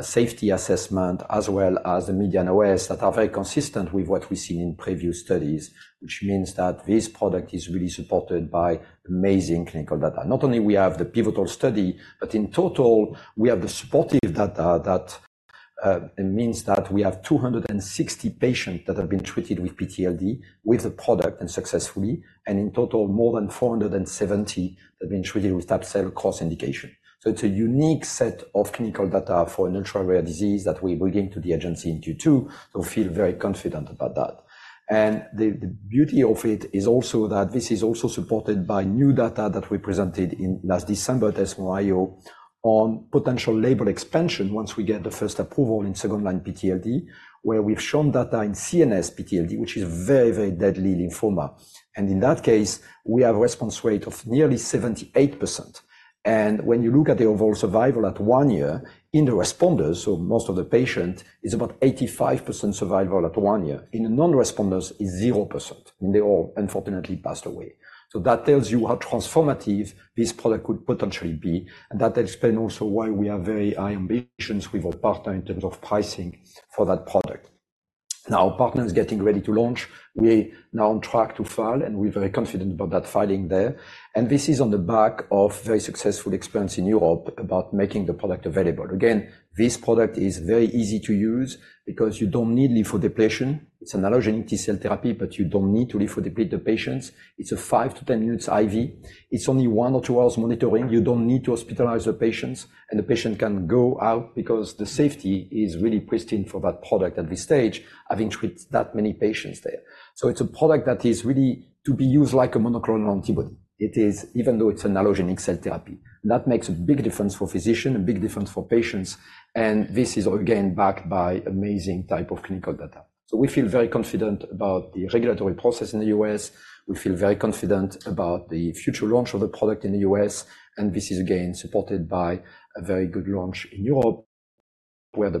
safety assessment as well as the median OS that are very consistent with what we've seen in previous studies, which means that this product is really supported by amazing clinical data. Not only do we have the pivotal study, but in total, we have the supportive data that means that we have 260 patients that have been treated with PTLD with the product and successfully. In total, more than 470 that have been treated with tab-cel cross-indication. So it's a unique set of clinical data for an ultra-rare disease that we're bringing to the agency in Q2. So we feel very confident about that. And the beauty of it is also that this is also supported by new data that we presented last December at ESMO IO on potential label expansion once we get the first approval in second-line PTLD, where we've shown data in CNS PTLD, which is very, very deadly lymphoma. And in that case, we have a response rate of nearly 78%. And when you look at the overall survival at one year in the responders, so most of the patients, it's about 85% survival at one year. In the non-responders, it's 0%. And they all, unfortunately, passed away. So that tells you how transformative this product could potentially be. And that explains also why we have very high ambitions with our partner in terms of pricing for that product. Now, our partner is getting ready to launch. We are now on track to file. And we're very confident about that filing there. And this is on the back of very successful experience in Europe about making the product available. Again, this product is very easy to use because you don't need lymphodepletion. It's an allogeneic T-cell therapy, but you don't need to lymphodeplete the patients. It's a 5-10 minutes IV. It's only one or two hours monitoring. You don't need to hospitalize the patients. And the patient can go out because the safety is really pristine for that product at this stage, having treated that many patients there. So it's a product that is really to be used like a monoclonal antibody, even though it's an allogeneic cell therapy. That makes a big difference for physicians, a big difference for patients. And this is, again, backed by amazing type of clinical data. We feel very confident about the regulatory process in the U.S. We feel very confident about the future launch of the product in the U.S. This is, again, supported by a very good launch in Europe where the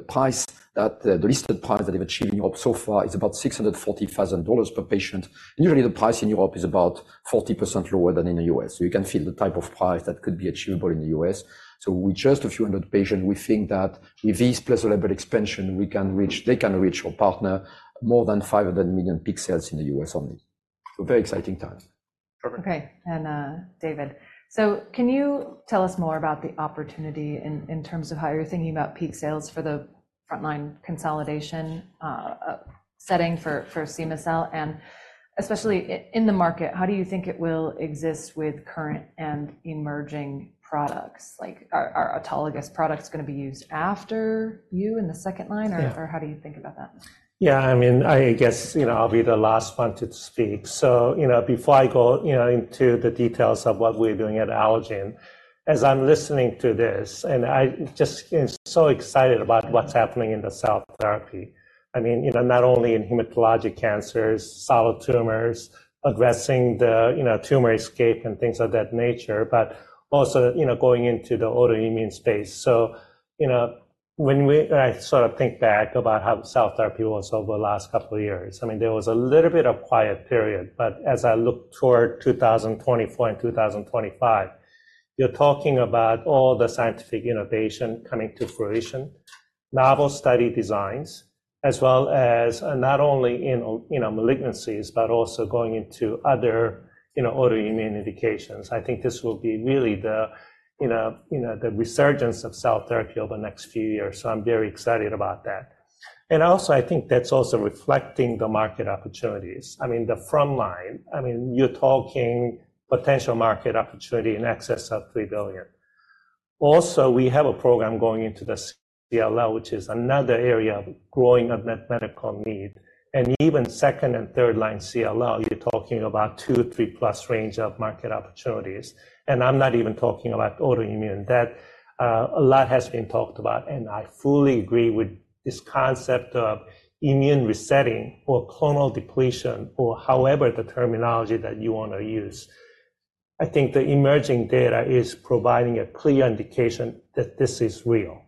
listed price that they've achieved in Europe so far is about $640,000 per patient. Usually, the price in Europe is about 40% lower than in the U.S. You can feel the type of price that could be achievable in the U.S. With just a few hundred patients, we think that with this pleasurable expansion, they can reach our partner more than $500 million peak sales in the U.S. only. Very exciting times. Okay. And David, so can you tell us more about the opportunity in terms of how you're thinking about peak sales for the front-line consolidation setting for cema-cel? And especially in the market, how do you think it will exist with current and emerging products? Are autologous products going to be used after you in the second line? Or how do you think about that? Yeah. I mean, I guess I'll be the last one to speak. So before I go into the details of what we're doing at Allogene, as I'm listening to this and I'm just so excited about what's happening in the cell therapy, I mean, not only in hematologic cancers, solid tumors, addressing the tumor escape and things of that nature, but also going into the autoimmune space. So when I sort of think back about how cell therapy was over the last couple of years, I mean, there was a little bit of quiet period. But as I look toward 2024 and 2025, you're talking about all the scientific innovation coming to fruition, novel study designs, as well as not only in malignancies, but also going into other autoimmune indications. I think this will be really the resurgence of cell therapy over the next few years. So I'm very excited about that. And also, I think that's also reflecting the market opportunities. I mean, the front line, I mean, you're talking potential market opportunity in excess of $3 billion. Also, we have a program going into the CLL, which is another area of growing medical need. And even second and third-line CLL, you're talking about $2 billion-$3 billion plus range of market opportunities. And I'm not even talking about autoimmune that a lot has been talked about. And I fully agree with this concept of immune resetting or clonal depletion or however the terminology that you want to use. I think the emerging data is providing a clear indication that this is real.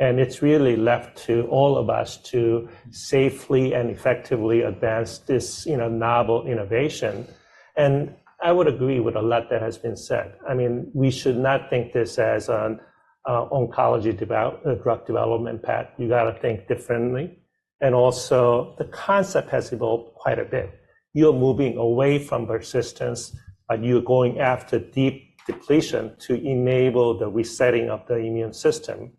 And it's really left to all of us to safely and effectively advance this novel innovation. And I would agree with a lot that has been said. I mean, we should not think this as an oncology drug development path. You got to think differently. Also, the concept has evolved quite a bit. You're moving away from persistence, but you're going after deep depletion to enable the resetting of the immune system,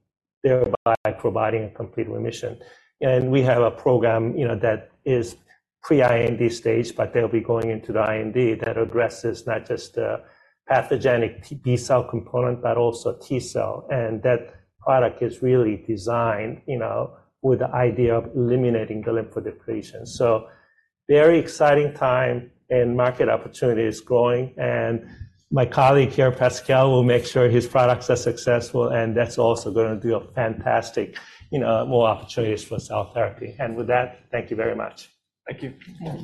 thereby providing a complete remission. We have a program that is pre-IND stage, but they'll be going into the IND that addresses not just the pathogenic B-cell component, but also T-cell. That product is really designed with the idea of eliminating the lymphodepletion. So very exciting time and market opportunities growing. My colleague here, Pascal, will make sure his products are successful. That's also going to do fantastic more opportunities for cell therapy. With that, thank you very much. Thank you.